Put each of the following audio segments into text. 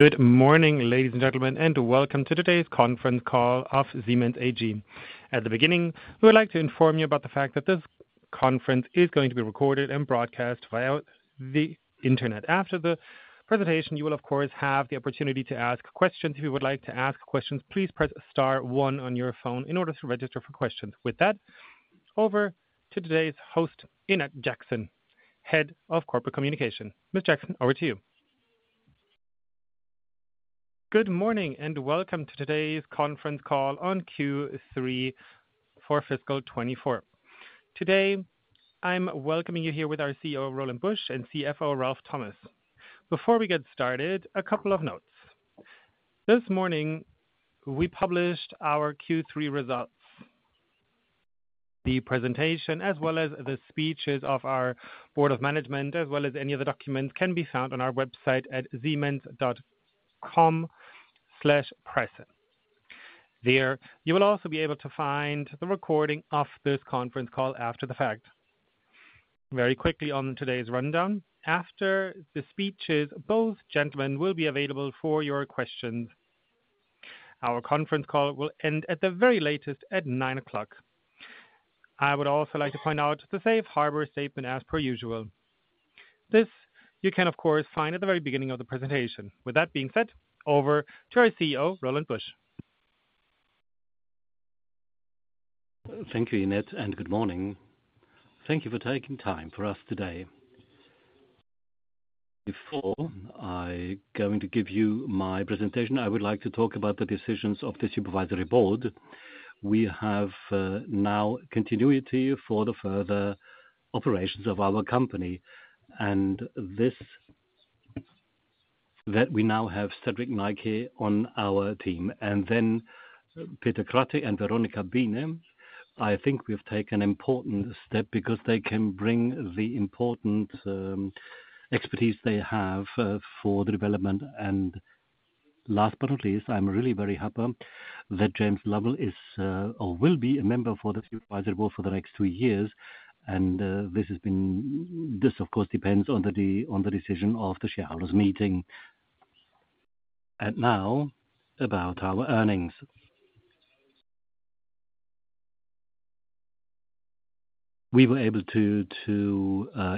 Good morning, ladies and gentlemen, and welcome to today's conference call of Siemens AG. At the beginning, we would like to inform you about the fact that this conference is going to be recorded and broadcast via the internet. After the presentation, you will, of course, have the opportunity to ask questions. If you would like to ask questions, please press star one on your phone in order to register for questions. With that, over to today's host, Lynette Jackson, Head of Corporate Communication. Ms. Jackson, over to you. Good morning, and welcome to today's conference call on Q3 for fiscal 2024. Today, I'm welcoming you here with our CEO, Roland Busch, and CFO, Ralf Thomas. Before we get started, a couple of notes. This morning, we published our Q3 results. The presentation, as well as the speeches of our board of management, as well as any other documents, can be found on our website at siemens.com/press. There, you will also be able to find the recording of this conference call after the fact. Very quickly on today's rundown, after the speeches, both gentlemen will be available for your questions. Our conference call will end at the very latest at 9:00. I would also like to point out the safe harbor statement as per usual. This you can, of course, find at the very beginning of the presentation. With that being said, over to our CEO, Roland Busch. Thank you, Lynette, and good morning. Thank you for taking time for us today. Before I going to give you my presentation, I would like to talk about the decisions of the supervisory board. We have now continuity for the further operations of our company, and this that we now have Cedrik Neike on our team, and then Peter Körte and Veronika Bienert. I think we've taken an important step because they can bring the important expertise they have for the development. And last but not least, I'm really very happy that James Lovell is or will be a member for the supervisory board for the next two years, and this has been this, of course, depends on the decision of the shareholders meeting. And now, about our earnings. We were able to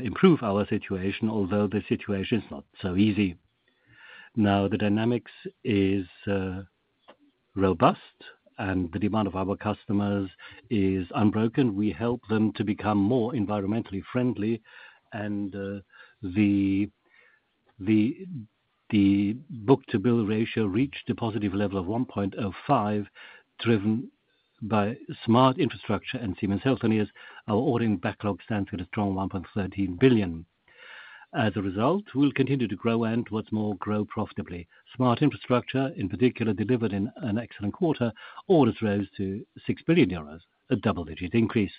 improve our situation, although the situation is not so easy. Now, the dynamics is robust, and the demand of our customers is unbroken. We help them to become more environmentally friendly, and the book-to-bill ratio reached a positive level of 1.05, driven by Smart Infrastructure and Siemens Healthineers. Our ordering backlog stands at a strong 1.13 billion. As a result, we'll continue to grow, and what's more, grow profitably. Smart Infrastructure, in particular, delivered in an excellent quarter. Orders rose to 6 billion euros, a double-digit increase.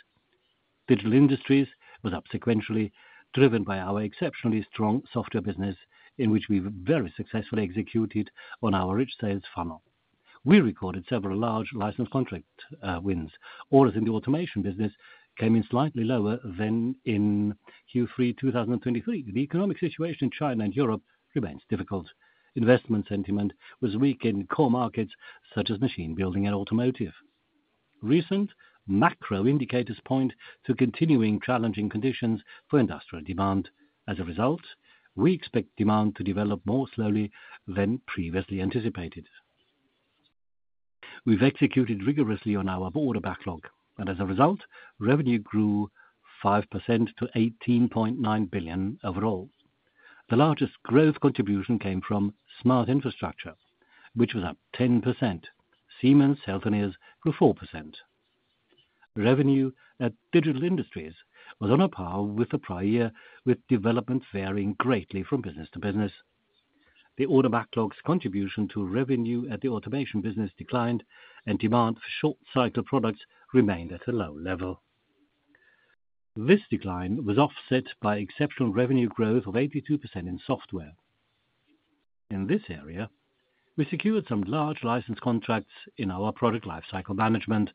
Digital Industries was up sequentially, driven by our exceptionally strong software business, in which we've very successfully executed on our rich sales funnel. We recorded several large license contract wins. Orders in the automation business came in slightly lower than in Q3 2023. The economic situation in China and Europe remains difficult. Investment sentiment was weak in core markets such as machine building and automotive. Recent macro indicators point to continuing challenging conditions for industrial demand. As a result, we expect demand to develop more slowly than previously anticipated. We've executed rigorously on our order backlog, and as a result, revenue grew 5% to 18.9 billion overall. The largest growth contribution came from Smart Infrastructure, which was up 10%. Siemens Healthineers grew 4%. Revenue at Digital Industries was on a par with the prior year, with development varying greatly from business to business. The order backlogs contribution to revenue at the automation business declined, and demand for short-cycle products remained at a low level. This decline was offset by exceptional revenue growth of 82% in software. In this area, we secured some large license contracts in our Product Lifecycle Management,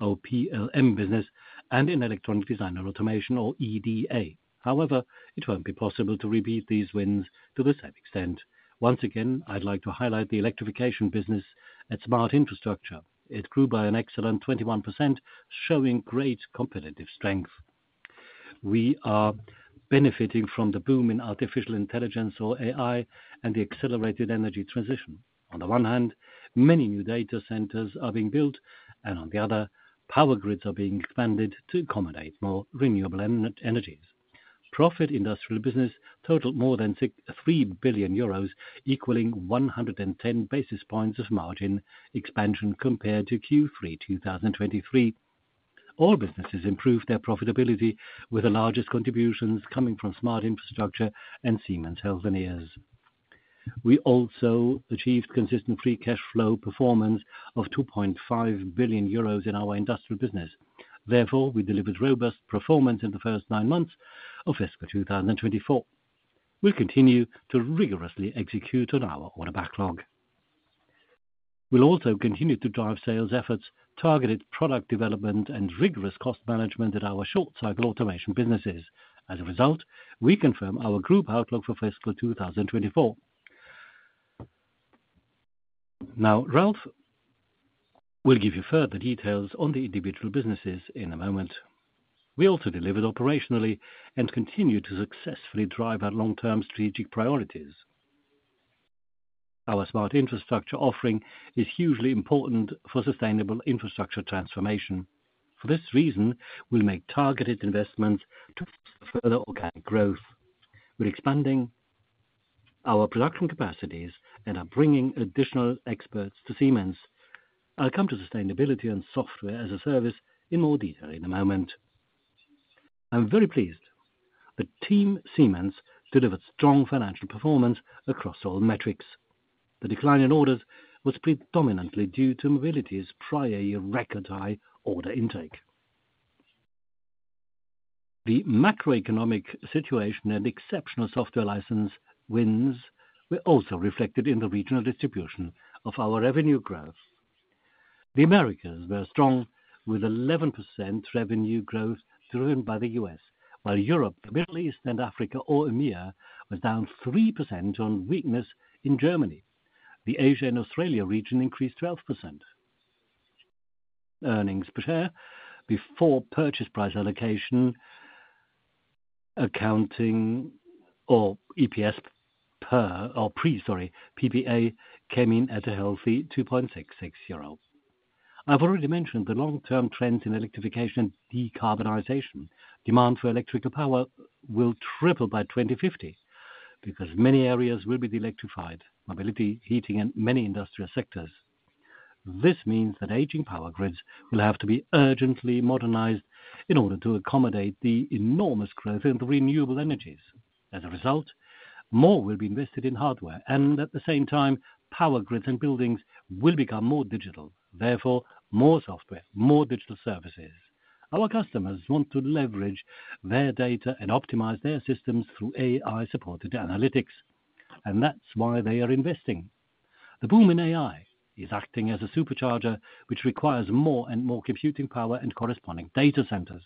or PLM business, and inElectronic Design Automation, or EDA. However, it won't be possible to repeat these wins to the same extent. Once again, I'd like to highlight the electrification business at Smart Infrastructure. It grew by an excellent 21%, showing great competitive strength. We are benefiting from the boom in artificial intelligence, or AI, and the accelerated energy transition. On the one hand, many new data centers are being built, and on the other, power grids are being expanded to accommodate more renewable energies. Profit industrial business totaled more than 6.3 billion euros, equaling 110 basis points of margin expansion compared to Q3 2023. All businesses improved their profitability, with the largest contributions coming from Smart Infrastructure and Siemens Healthineers. We also achieved consistent free cash flow performance of 2.5 billion euros in our industrial business. Therefore, we delivered robust performance in the first nine months of fiscal 2024. We'll continue to rigorously execute on our order backlog. We'll also continue to drive sales efforts, targeted product development, and rigorous cost management in our short-cycle automation businesses. As a result, we confirm our group outlook for fiscal 2024. Now, Ralf will give you further details on the individual businesses in a moment. We also delivered operationally and continued to successfully drive our long-term strategic priorities. Our Smart Infrastructure offering is hugely important for sustainable infrastructure transformation. For this reason, we'll make targeted investments to further organic growth. We're expanding our production capacities and are bringing additional experts to Siemens. I'll come to sustainability and software as a service in more detail in a moment. I'm very pleased that Team Siemens delivered strong financial performance across all metrics. The decline in orders was predominantly due to Mobility's prior year record high order intake. The macroeconomic situation and exceptional software license wins were also reflected in the regional distribution of our revenue growth. The Americas were strong, with 11% revenue growth driven by the U.S., while Europe, the Middle East, and Africa, or EMEA, was down 3% on weakness in Germany. The Asia and Australia region increased 12%. Earnings per share before purchase price allocation, accounting or EPS per or pre, sorry, PPA, came in at a healthy 2.66 euros. I've already mentioned the long-term trend in electrification, decarbonization. Demand for electrical power will triple by 2050 because many areas will be electrified: mobility, heating, and many industrial sectors. This means that aging power grids will have to be urgently modernized in order to accommodate the enormous growth in the renewable energies. As a result, more will be invested in hardware, and at the same time, power grids and buildings will become more digital, therefore, more software, more digital services. Our customers want to leverage their data and optimize their systems through AI-supported analytics, and that's why they are investing. The boom in AI is acting as a supercharger, which requires more and more computing power and corresponding data centers.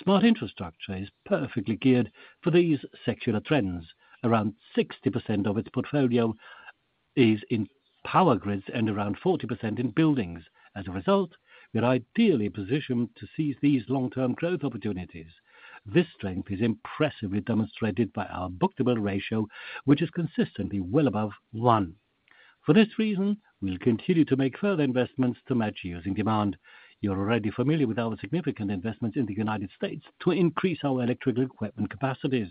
Smart Infrastructure is perfectly geared for these secular trends. Around 60% of its portfolio is in power grids and around 40% in buildings. As a result, we are ideally positioned to seize these long-term growth opportunities. This strength is impressively demonstrated by our book-to-bill ratio, which is consistently well above one. For this reason, we'll continue to make further investments to match rising demand. You're already familiar with our significant investments in the United States to increase our electrical equipment capacities.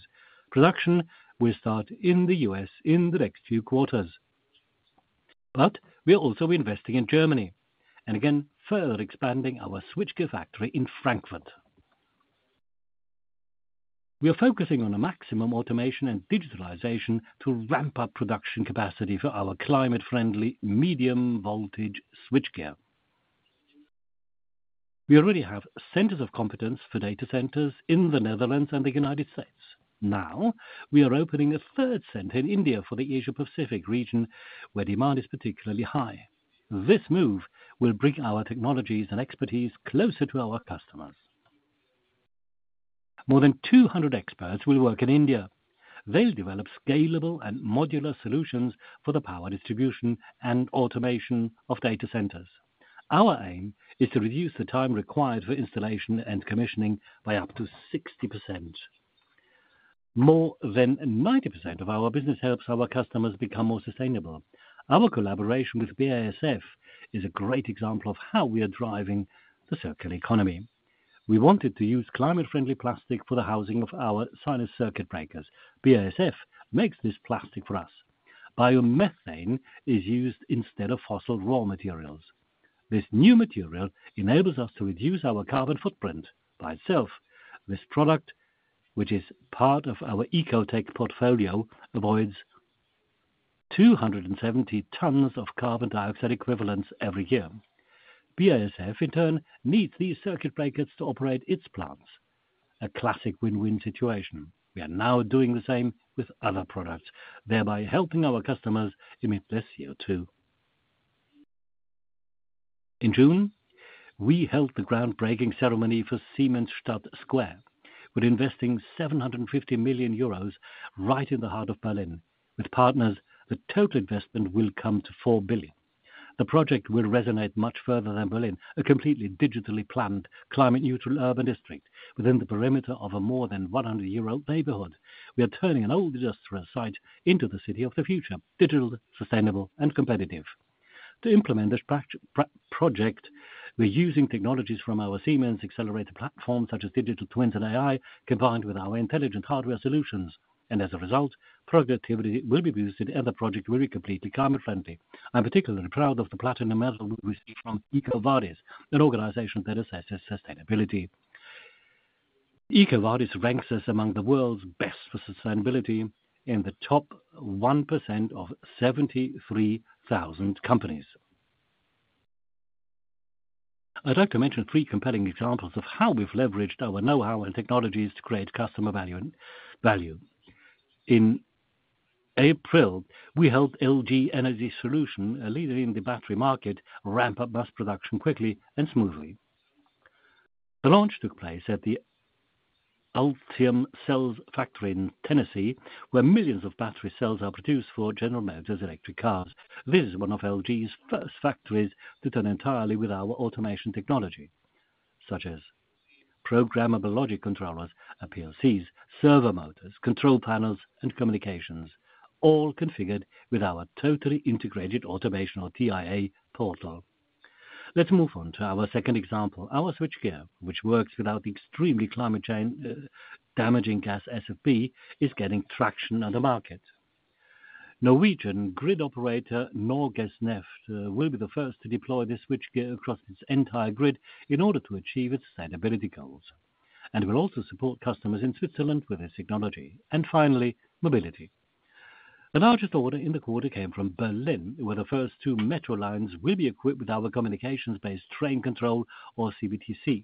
Production will start in the U.S. in the next few quarters. But we are also investing in Germany and again, further expanding our switchgear factory in Frankfurt. We are focusing on a maximum automation and digitalization to ramp up production capacity for our climate-friendly medium voltage switchgear. We already have centers of competence for data centers in the Netherlands and the United States. Now, we are opening a third center in India for the Asia Pacific region, where demand is particularly high. This move will bring our technologies and expertise closer to our customers. More than 200 experts will work in India. They'll develop scalable and modular solutions for the power distribution and automation of data centers. Our aim is to reduce the time required for installation and commissioning by up to 60%. More than 90% of our business helps our customers become more sustainable. Our collaboration with BASF is a great example of how we are driving the circular economy. We wanted to use climate-friendly plastic for the housing of our SIRIU.S. circuit breakers. BASF makes this plastic for us. Biomethane is used instead of fossil raw materials. This new material enables us to reduce our carbon footprint. By itself, this product, which is part of our EcoTech portfolio, avoids 270 tons of carbon dioxide equivalents every year. BASF, in turn, needs these circuit breakers to operate its plants. A classic win-win situation. We are now doing the same with other products, thereby helping our customers emit less CO2. In June, we held the groundbreaking ceremony for Siemensstadt Square. We're investing 750 million euros right in the heart of Berlin. With partners, the total investment will come to 4 billion. The project will resonate much further than Berlin, a completely digitally planned, climate-neutral urban district within the perimeter of a more than 100-year-old neighborhood. We are turning an old industrial site into the city of the future, digital, sustainable, and competitive. To implement this project, we're using technologies from our Siemens Xceler platform, such as Digital Twin and AI, combined with our intelligent hardware solutions. And as a result, productivity will be boosted and the project will be completely climate friendly. I'm particularly proud of the platinum medal we received from EcoVadis, an organization that assesses sustainability. EcoVadis ranks us among the world's best for sustainability in the top 1% of 73,000 companies. I'd like to mention three compelling examples of how we've leveraged our know-how and technologies to create customer value, value. In April, we helped LG Energy Solution, a leader in the battery market, ramp up mass production quickly and smoothly. The launch took place at the Ultium Cells factory in Tennessee, where millions of battery cells are produced for General Motors electric cars. This is one of LG's first factories to turn entirely with our automation technology, such as programmable logic controllers, PLCs, servo motors, control panels, and communications, all configured with ourTotally Integrated Automation Norwegian grid operator, Norgesnett, will be the first to deploy this switchgear across its entire grid in order to achieve its sustainability goals, and will also support customers in Switzerland with this technology. Finally, mobility. The largest order in the quarter came from Berlin, where the first two metro lines will be equipped with ourCommunications-Based Train Control, or CBTC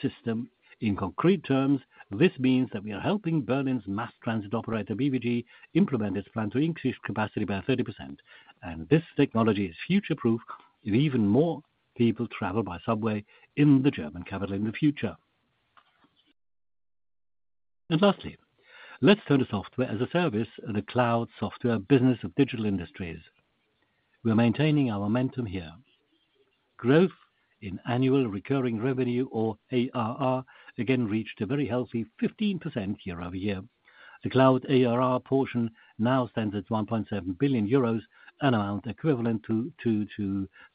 system. In concrete terms, this means that we are helping Berlin's mass transit operator, BVG, implement its plan to increase capacity by 30%, and this technology is future-proof if even more people travel by subway in the German capital in the future. Lastly, let's turn to software as a service and the cloud software business of Digital Industries. We're maintaining our momentum here. Growth in annual recurring revenue or ARR, again, reached a very healthy 15% year-over-year. The cloud ARR portion now stands at 1.7 billion euros, an amount equivalent to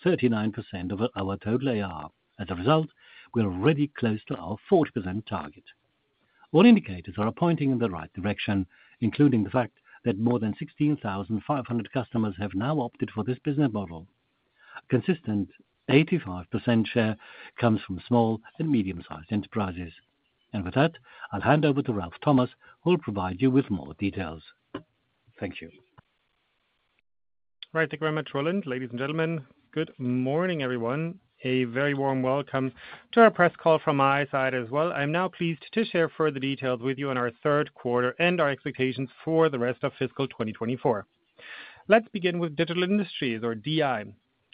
39% of our total ARR. As a result, we're really close to our 40% target. All indicators are pointing in the right direction, including the fact that more than 16,500 customers have now opted for this business model. Consistent 85% share comes from small and medium-sized enterprises. And with that, I'll hand over to Ralf Thomas, who will provide you with more details. Thank you. Right. Thank you very much, Roland. Ladies and gentlemen, good morning, everyone. A very warm welcome to our press call from my side as well. I'm now pleased to share further details with you on our third quarter and our expectations for the rest of fiscal 2024. Let's begin with Digital Industries or DI.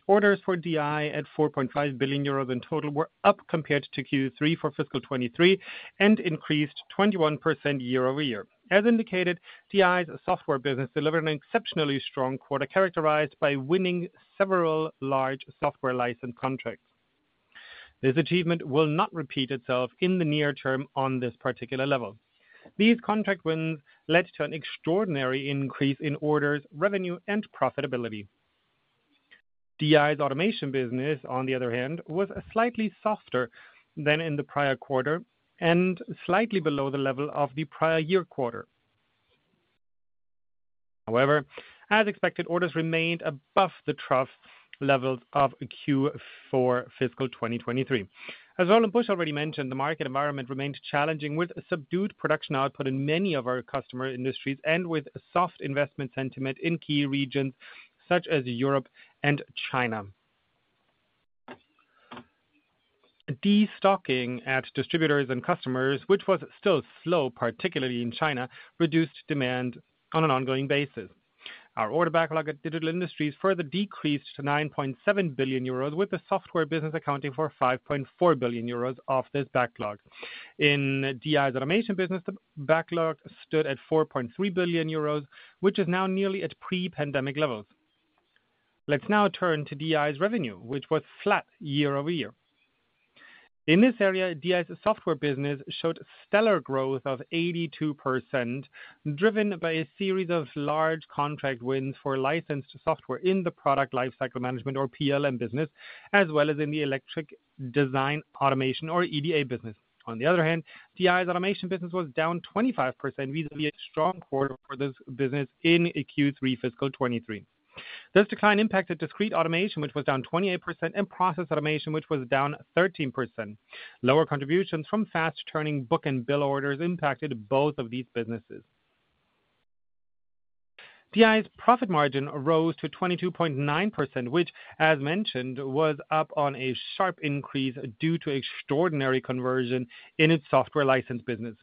Orders for DI at 4.5 billion euros in total were up compared to Q3 for fiscal 2023, and increased 21% year-over-year. As indicated, DI's software business delivered an exceptionally strong quarter, characterized by winning several large software license contracts. This achievement will not repeat itself in the near term on this particular level. These contract wins led to an extraordinary increase in orders, revenue, and profitability. DI's automation business, on the other hand, was slightly softer than in the prior quarter and slightly below the level of the prior year quarter. However, as expected, orders remained above the trough levels of Q4 fiscal 2023. As Roland Busch already mentioned, the market environment remains challenging, with subdued production output in many of our customer industries and with soft investment sentiment in key regions such as Europe and China. Destocking at distributors and customers, which was still slow, particularly in China, reduced demand on an ongoing basis. Our order backlog at Digital Industries further decreased to 9.7 billion euros, with the software business accounting for 5.4 billion euros of this backlog. In DI's automation business, the backlog stood at 4.3 billion euros, which is now nearly at pre-pandemic levels. Let's now turn to DI's revenue, which was flat year-over-year. In this area, DI's software business showed stellar growth of 82%, driven by a series of large contract wins for licensed software in the product lifecycle management or PLM business, as well as in the electronic design automation or EDA business. On the other hand, DI's automation business was down 25%, versus a strong quarter for this business in Q3 fiscal 2023. This decline impacted discrete automation, which was down 28%, and process automation, which was down 13%. Lower contributions from fast-turning book-to-bill orders impacted both of these businesses. DI's profit margin rose to 22.9%, which, as mentioned, was up on a sharp increase due to extraordinary conversion in its software license business.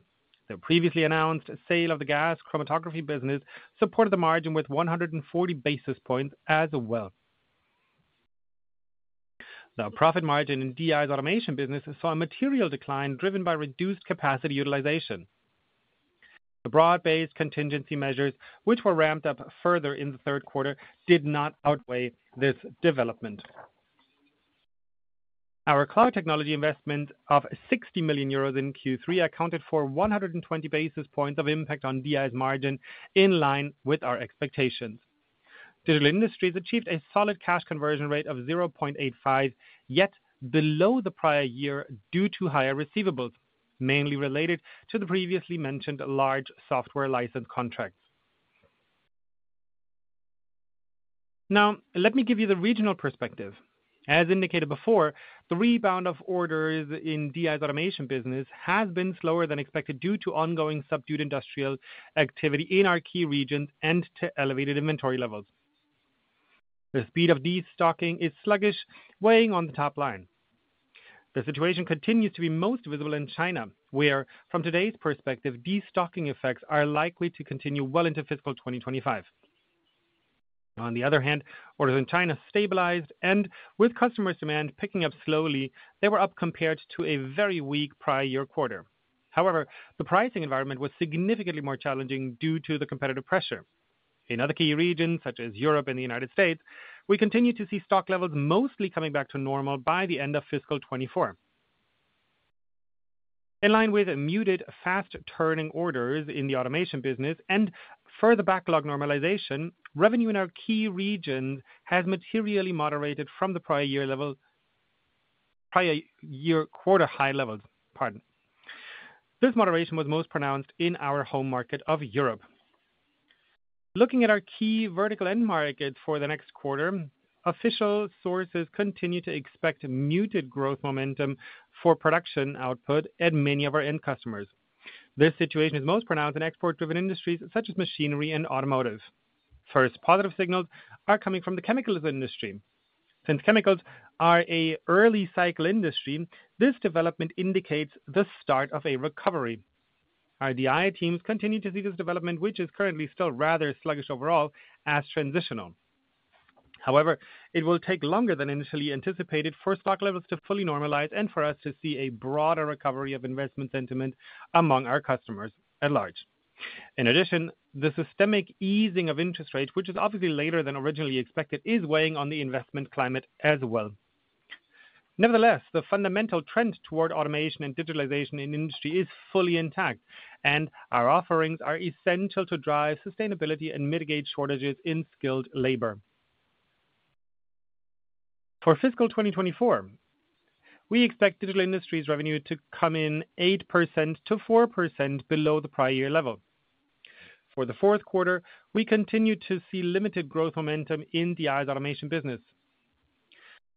The previously announced sale of the gas chromatography business supported the margin with 140 basis points as well. The profit margin in DI's automation business saw a material decline driven by reduced capacity utilization. The broad-based contingency measures, which were ramped up further in the third quarter, did not outweigh this development. Our cloud technology investment of 60 million euros in Q3 accounted for 120 basis points of impact on DI's margin, in line with our expectations. Digital Industries achieved a solid cash conversion rate of 0.85, yet below the prior year due to higher receivables, mainly related to the previously mentioned large software license contracts. Now, let me give you the regional perspective. As indicated before, the rebound of orders in DI's automation business has been slower than expected due to ongoing subdued industrial activity in our key regions and to elevated inventory levels. The speed of destocking is sluggish, weighing on the top line. The situation continues to be most visible in China, where from today's perspective, destocking effects are likely to continue well into fiscal 2025. On the other hand, orders in China stabilized, and with customers' demand picking up slowly, they were up compared to a very weak prior year quarter. However, the pricing environment was significantly more challenging due to the competitive pressure. In other key regions, such as Europe and the United States, we continue to see stock levels mostly coming back to normal by the end of fiscal 2024. In line with a muted, fast-turning orders in the automation business and further backlog normalization, revenue in our key regions has materially moderated from the prior year level, prior year quarter high levels. Pardon. This moderation was most pronounced in our home market of Europe. Looking at our key vertical end market for the next quarter, official sources continue to expect muted growth momentum for production output at many of our end customers. This situation is most pronounced in export-driven industries, such as machinery and automotive. First, positive signals are coming from the chemicals industry. Since chemicals are an early cycle industry, this development indicates the start of a recovery. Our DI teams continue to see this development, which is currently still rather sluggish overall, as transitional. However, it will take longer than initially anticipated for stock levels to fully normalize and for us to see a broader recovery of investment sentiment among our customers at large. In addition, the systemic easing of interest rates, which is obviously later than originally expected, is weighing on the investment climate as well. Nevertheless, the fundamental trend toward automation and digitalization in industry is fully intact, and our offerings are essential to drive sustainability and mitigate shortages in skilled labor. For fiscal 2024, we expect Digital Industries' revenue to come in 8%-4% below the prior year level. For the fourth quarter, we continue to see limited growth momentum in DI's automation business.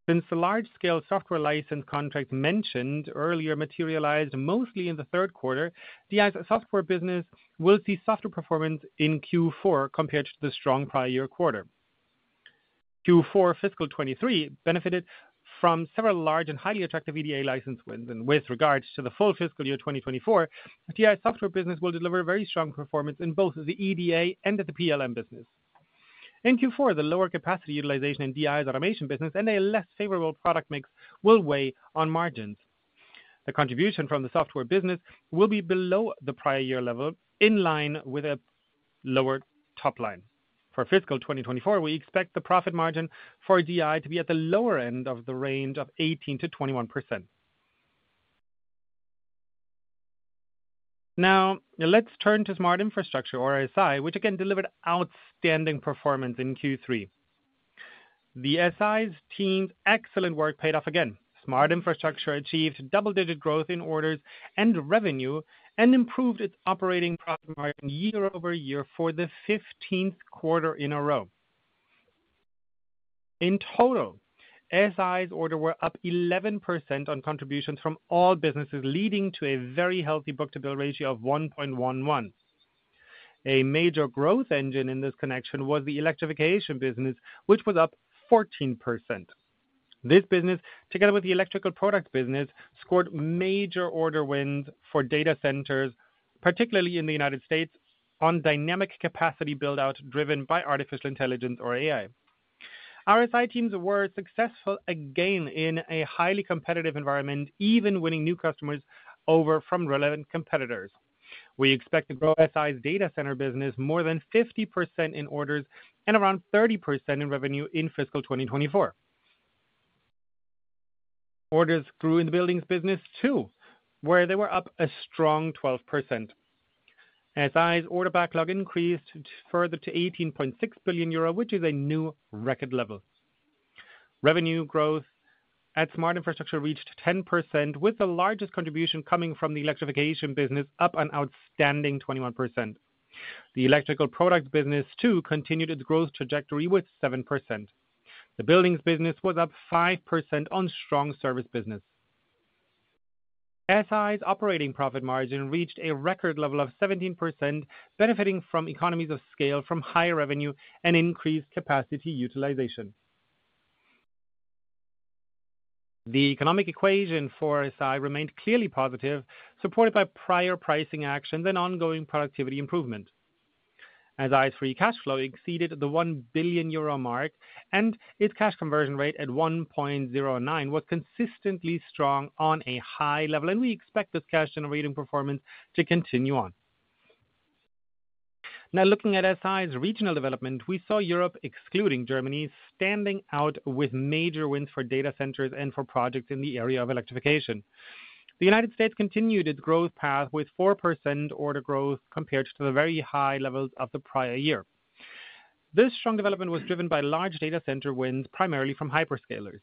Since the large-scale software license contract mentioned earlier materialized mostly in the third quarter, DI's software business will see softer performance in Q4 compared to the strong prior year quarter. Q4 fiscal 2023 benefited from several large and highly attractive EDA license wins. With regards to the full fiscal year 2024, DI's software business will deliver a very strong performance in both the EDA and the PLM business. In Q4, the lower capacity utilization in DI's automation business and a less favorable product mix will weigh on margins. The contribution from the software business will be below the prior year level, in line with a lower top line. For fiscal 2024, we expect the profit margin for DI to be at the lower end of the range of 18%-21%. Now, let's turn to Smart Infrastructure, or SI, which again, delivered outstanding performance in Q3. The SI's team's excellent work paid off again. Smart Infrastructure achieved double-digit growth in orders and revenue and improved its operating profit margin year-over-year for the 15th quarter in a row. In total, SI's orders were up 11% on contributions from all businesses, leading to a very healthy book-to-bill ratio of 1.11. A major growth engine in this connection was the electrification business, which was up 14%. This business, together with the electrical product business, scored major order wins for data centers, particularly in the United States, on dynamic capacity build-out, driven by artificial intelligence or AI. Our SI teams were successful again in a highly competitive environment, even winning new customers over from relevant competitors. We expect to grow SI's data center business more than 50% in orders and around 30% in revenue in fiscal 2024. Orders grew in the buildings business, too, where they were up a strong 12%. SI's order backlog increased further to 18.6 billion euro, which is a new record level. Revenue growth at Smart Infrastructure reached 10%, with the largest contribution coming from the electrification business, up an outstanding 21%. The electrical product business, too, continued its growth trajectory with 7%. The buildings business was up 5% on strong service business. SI's operating profit margin reached a record level of 17%, benefiting from economies of scale, from higher revenue and increased capacity utilization. The economic equation for SI remained clearly positive, supported by prior pricing actions and ongoing productivity improvement. SI's free cash flow exceeded the 1 billion euro mark, and its cash conversion rate at 1.09, was consistently strong on a high level, and we expect this cash-generating performance to continue on. Now, looking at SI's regional development, we saw Europe, excluding Germany, standing out with major wins for data centers and for projects in the area of electrification. The United States continued its growth path with 4% order growth compared to the very high levels of the prior year. This strong development was driven by large data center wins, primarily from hyperscalers.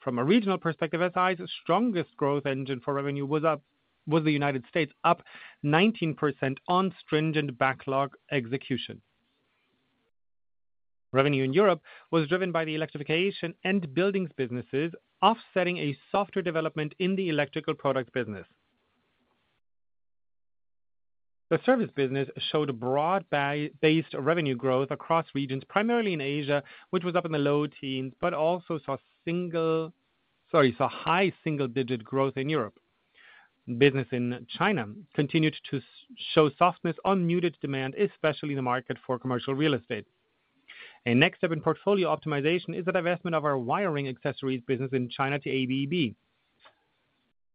From a regional perspective, SI's strongest growth engine for revenue was the United States, up 19% on stringent backlog execution. Revenue in Europe was driven by the electrification and buildings businesses, offsetting a softer development in the electrical product business. The service business showed a broad-based revenue growth across regions, primarily in Asia, which was up in the low teens, but also saw high single-digit growth in Europe. Business in China continued to show softness on muted demand, especially in the market for commercial real estate. And next step in portfolio optimization is the divestment of our wiring accessories business in China to ABB.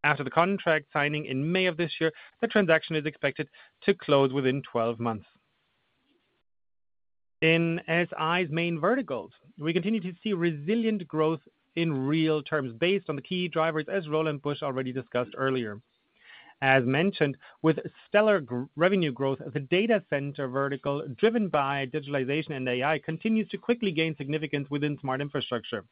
After the contract signing in May of this year, the transaction is expected to close within 12 months. In SI's main verticals, we continue to see resilient growth in real terms based on the key drivers, as Roland Busch already discussed earlier. As mentioned, with stellar revenue growth, the data center vertical, driven by digitalization and AI, continues to quickly gain significance within Smart Infrastructure.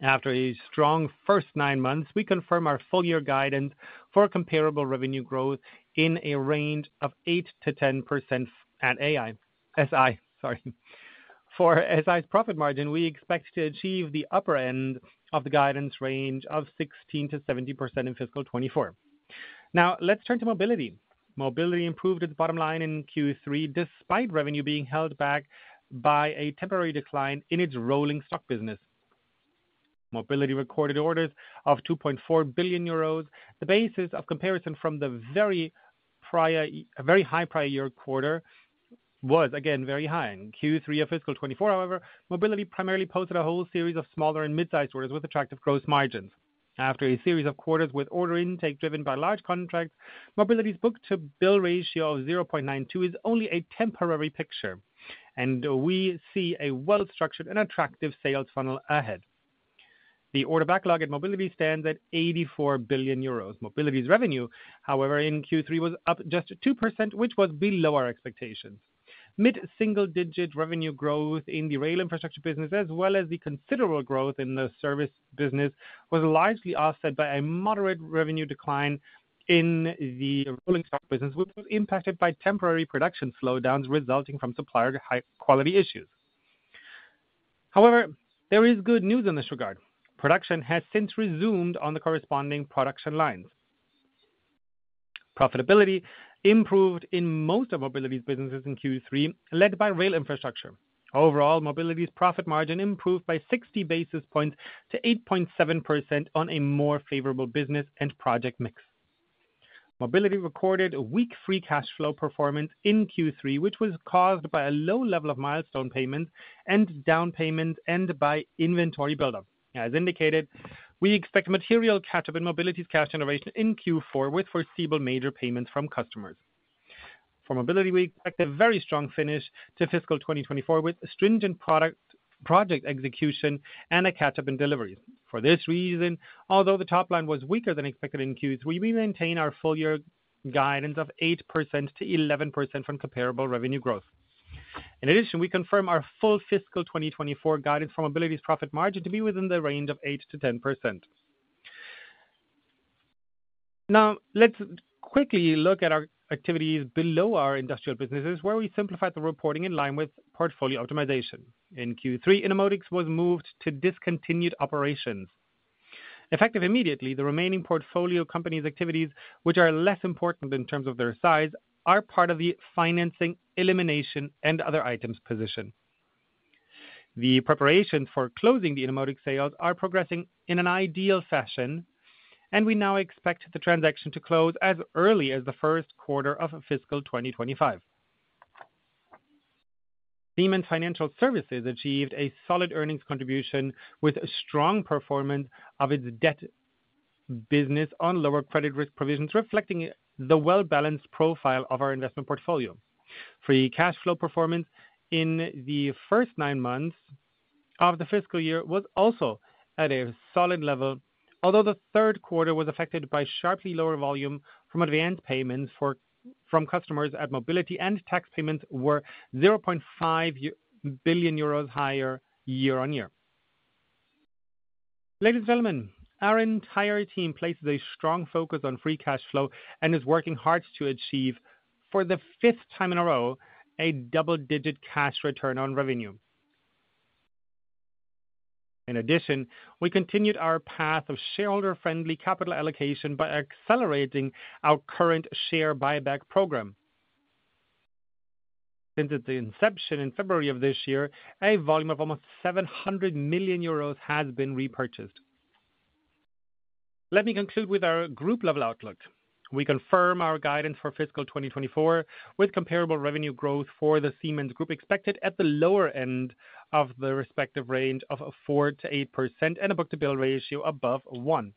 After a strong first nine months, we confirm our full year guidance for comparable revenue growth in a range of 8%-10% at AI, SI, sorry. For SI's profit margin, we expect to achieve the upper end of the guidance range of 16%-17% in fiscal 2024. Now, let's turn to mobility. Mobility improved its bottom line in Q3, despite revenue being held back by a temporary decline in its rolling stock business. Mobility recorded orders of 2.4 billion euros. The basis of comparison from the very prior year, a very high prior year quarter, was again very high. In Q3 of fiscal 2024, however, Mobility primarily posted a whole series of smaller and mid-sized orders with attractive growth margins. After a series of quarters with order intake driven by large contracts, Mobility's book-to-bill ratio of 0.92 is only a temporary picture, and we see a well-structured and attractive sales funnel ahead. The order backlog at Mobility stands at 84 billion euros. Mobility's revenue, however, in Q3, was up just 2%, which was below our expectations. Mid-single digit revenue growth in the rail infrastructure business, as well as the considerable growth in the service business, was largely offset by a moderate revenue decline in the rolling stock business, which was impacted by temporary production slowdowns resulting from supplier high quality issues. However, there is good news in this regard. Production has since resumed on the corresponding production lines. Profitability improved in most of Mobility's businesses in Q3, led by rail infrastructure. Overall, Mobility's profit margin improved by 60 basis points to 8.7% on a more favorable business and project mix. Mobility recorded a weak free cash flow performance in Q3, which was caused by a low level of milestone payments and down payments, and by inventory buildup. As indicated, we expect material catch-up in Mobility's cash generation in Q4, with foreseeable major payments from customers. For Mobility, we expect a very strong finish to fiscal 2024, with stringent product, project execution and a catch-up in deliveries. For this reason, although the top line was weaker than expected in Q3, we maintain our full year guidance of 8%-11% from comparable revenue growth. In addition, we confirm our full fiscal 2024 guidance from Mobility's profit margin to be within the range of 8%-10%. Now, let's quickly look at our activities below our industrial businesses, where we simplified the reporting in line with portfolio optimization. In Q3, Innomotics was moved to discontinued operations. Effective immediately, the remaining portfolio company's activities, which are less important in terms of their size, are part of the financing, elimination, and other items position. The preparation for closing the Innomotics sales are progressing in an ideal fashion, and we now expect the transaction to close as early as the first quarter of fiscal 2025. Siemens Financial Services achieved a solid earnings contribution with a strong performance of its debt business on lower credit risk provisions, reflecting the well-balanced profile of our investment portfolio. Free cash flow performance in the first nine months of the fiscal year was also at a solid level, although the third quarter was affected by sharply lower volume from advanced payments for, from customers at Mobility and tax payments were 0.5 billion euros higher year-on-year. Ladies and gentlemen, our entire team places a strong focus on free cash flow and is working hard to achieve, for the fifth time in a row, a double-digit cash return on revenue. In addition, we continued our path of shareholder-friendly capital allocation by accelerating our current share buyback program. Since its inception in February of this year, a volume of almost 700 million euros has been repurchased. Let me conclude with our group level outlook. We confirm our guidance for fiscal 2024, with comparable revenue growth for the Siemens Group, expected at the lower end of the respective range of 4%-8% and a book-to-bill ratio above 1.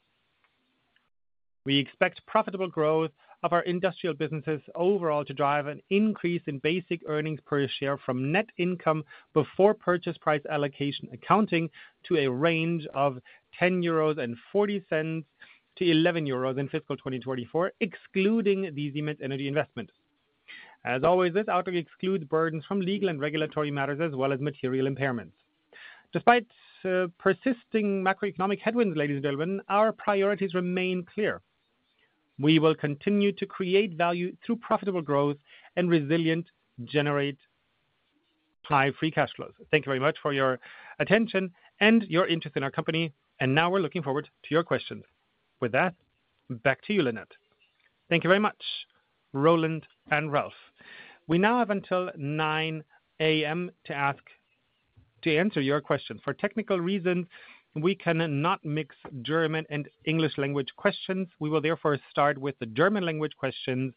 We expect profitable growth of our industrial businesses overall to drive an increase in basic earnings per share from net income before purchase price allocation, accounting to a range of 10.40-11 euros in fiscal 2024, excluding the Siemens Energy investment. As always, this outlook excludes burdens from legal and regulatory matters, as well as material impairments. Despite persisting macroeconomic headwinds, ladies and gentlemen, our priorities remain clear. We will continue to create value through profitable growth and resilient, generate-... high free cash flows. Thank you very much for your attention and your interest in our company, and now we're looking forward to your questions. With that, back to you, Lynette. Thank you very much, Roland and Ralf. We now have until 9:00 A.M. to answer your question. For technical reasons, we cannot mix German and English language questions. We will therefore start with the German language questions.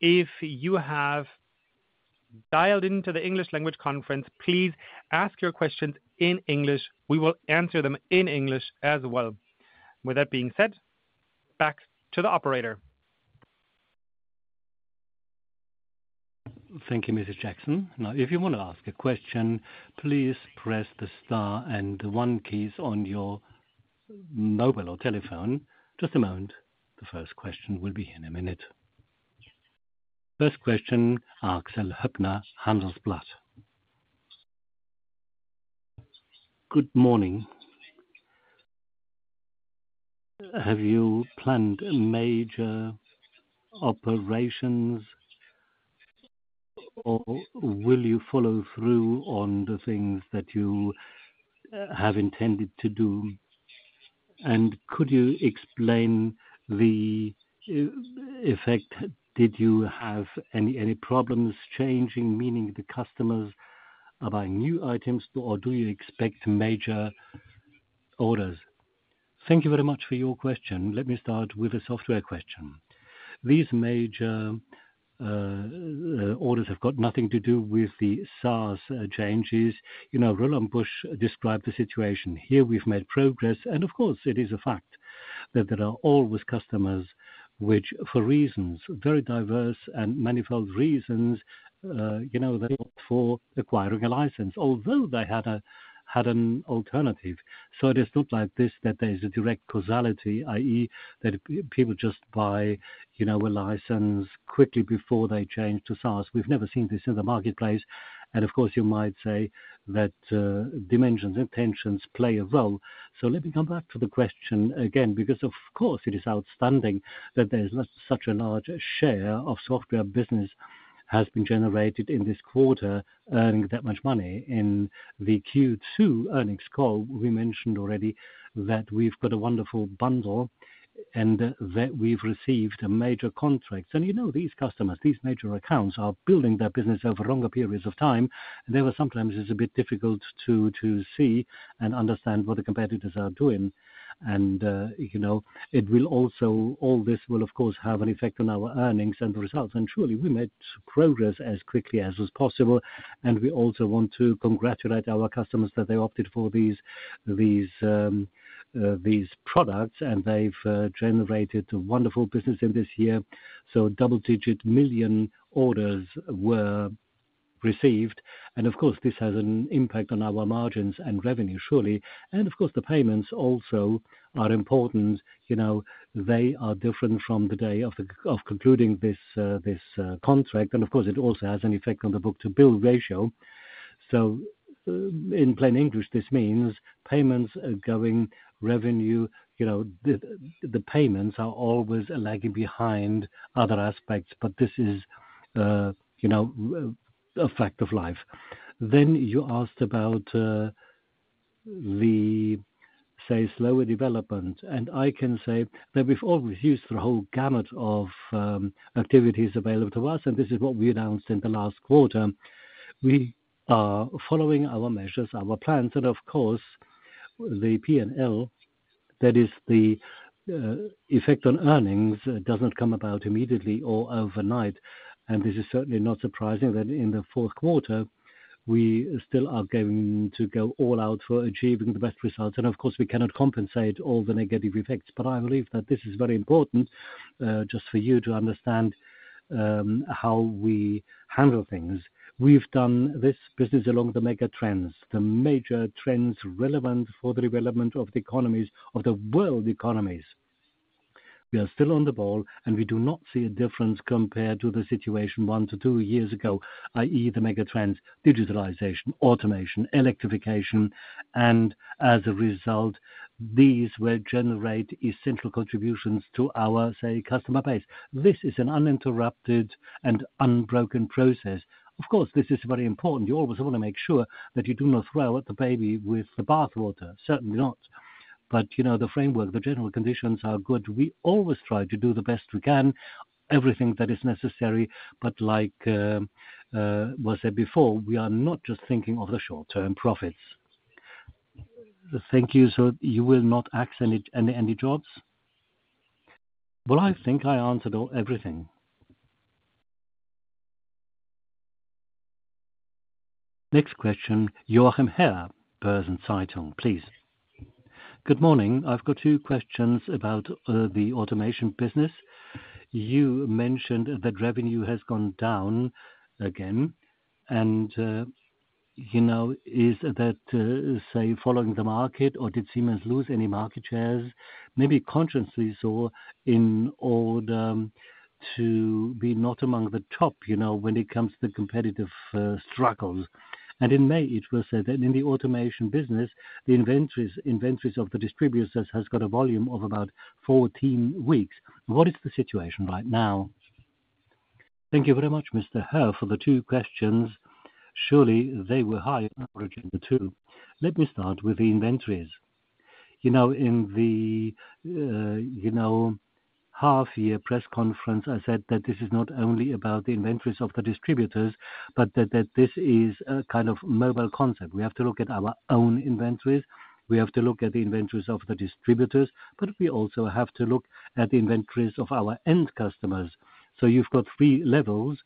If you have dialed into the English language conference, please ask your questions in English. We will answer them in English as well. With that being said, back to the operator. Thank you, Mrs. Jackson. Now, if you want to ask a question, please press the star and one keys on your mobile or telephone. Just a moment. The first question will be in a minute. First question, Axel Höpner, Handelsblatt. Good morning. Have you planned major operations, or will you follow through on the things that you have intended to do? And could you explain the effect? Did you have any problems changing, meaning the customers are buying new items, or do you expect major orders? Thank you very much for your question. Let me start with the software question. These major orders have got nothing to do with the SaaS changes. You know, Roland Busch described the situation here. We've made progress, and of course, it is a fact that there are always customers which for reasons, very diverse and manifold reasons, you know, they're for acquiring a license, although they had had an alternative. So it is not like this, that there is a direct causality, i.e., that people just buy, you know, a license quickly before they change to SaaS. We've never seen this in the marketplace, and of course, you might say that, dimensions, intentions play a role. So let me come back to the question again, because of course it is outstanding that there's not such a large share of software business has been generated in this quarter, earning that much money. In the Q2 earnings call, we mentioned already that we've got a wonderful bundle and that we've received major contracts. You know, these customers, these major accounts, are building their business over longer periods of time. And there were sometimes it's a bit difficult to see and understand what the competitors are doing. And, you know, it will also, all this will, of course, have an effect on our earnings and results. And surely we made progress as quickly as is possible, and we also want to congratulate our customers that they opted for these products, and they've generated wonderful business in this year. So double-digit million orders were received, and of course, this has an impact on our margins and revenue, surely. And of course, the payments also are important. You know, they are different from the day of concluding this contract, and of course, it also has an effect on the book-to-bill ratio. In plain English, this means payments are going, revenue, you know, the payments are always lagging behind other aspects, but this is, you know, a fact of life. Then you asked about the, say, slower development, and I can say that we've always used the whole gamut of activities available to us, and this is what we announced in the last quarter. We are following our measures, our plans, and of course, the P&L. That is the effect on earnings doesn't come about immediately or overnight. And this is certainly not surprising that in the fourth quarter, we still are going to go all out for achieving the best results. And of course, we cannot compensate all the negative effects. But I believe that this is very important, just for you to understand how we handle things. We've done this business along the mega trends, the major trends relevant for the development of the economies, of the world economies. We are still on the ball, and we do not see a difference compared to the situation 1-2 years ago, i.e., the mega trends, digitalization, automation, electrification, and as a result, these will generate essential contributions to our, say, customer base. This is an uninterrupted and unbroken process. Of course, this is very important. You always want to make sure that you do not throw out the baby with the bath water. Certainly not. But, you know, the framework, the general conditions are good. We always try to do the best we can, everything that is necessary, but like, was said before, we are not just thinking of the short-term profits. Thank you. So you will not axe any, any, any jobs? Well, I think I answered all, everything. Next question, Joachim Herr, Börsen-Zeitung. Please. Good morning. I've got two questions about the automation business. You mentioned that revenue has gone down again, and you know, is that say, following the market, or did Siemens lose any market shares? Maybe consciously so, in order to be not among the top, you know, when it comes to the competitive struggles. And in May, it was said that in the automation business, the inventories of the distributors has got a volume of about 14 weeks. What is the situation right now? Thank you very much, Mr. Herr, for the 2 questions. Surely they were high on our agenda, too. Let me start with the inventories. You know, in the you know half year press conference, I said that this is not only about the inventories of the distributors, but that, that this is a kind of mobile concept. We have to look at our own inventories, we have to look at the inventories of the distributors, but we also have to look at the inventories of our end customers. So you've got three levels,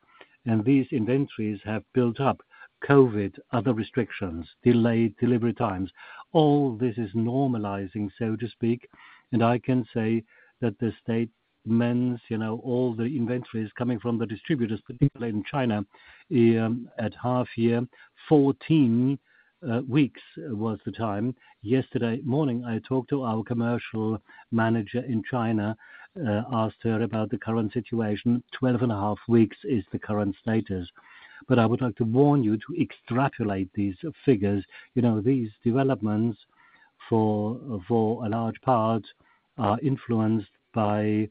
and these inventories have built up. COVID, other restrictions, delayed delivery times, all this is normalizing, so to speak, and I can say that the state demands, you know, all the inventories coming from the distributors, particularly in China, at half year, 14 weeks was the time. Yesterday morning, I talked to our commercial manager in China, asked her about the current situation. 12.5 weeks is the current status. But I would like to warn you to extrapolate these figures. You know, these developments for a large part are influenced by,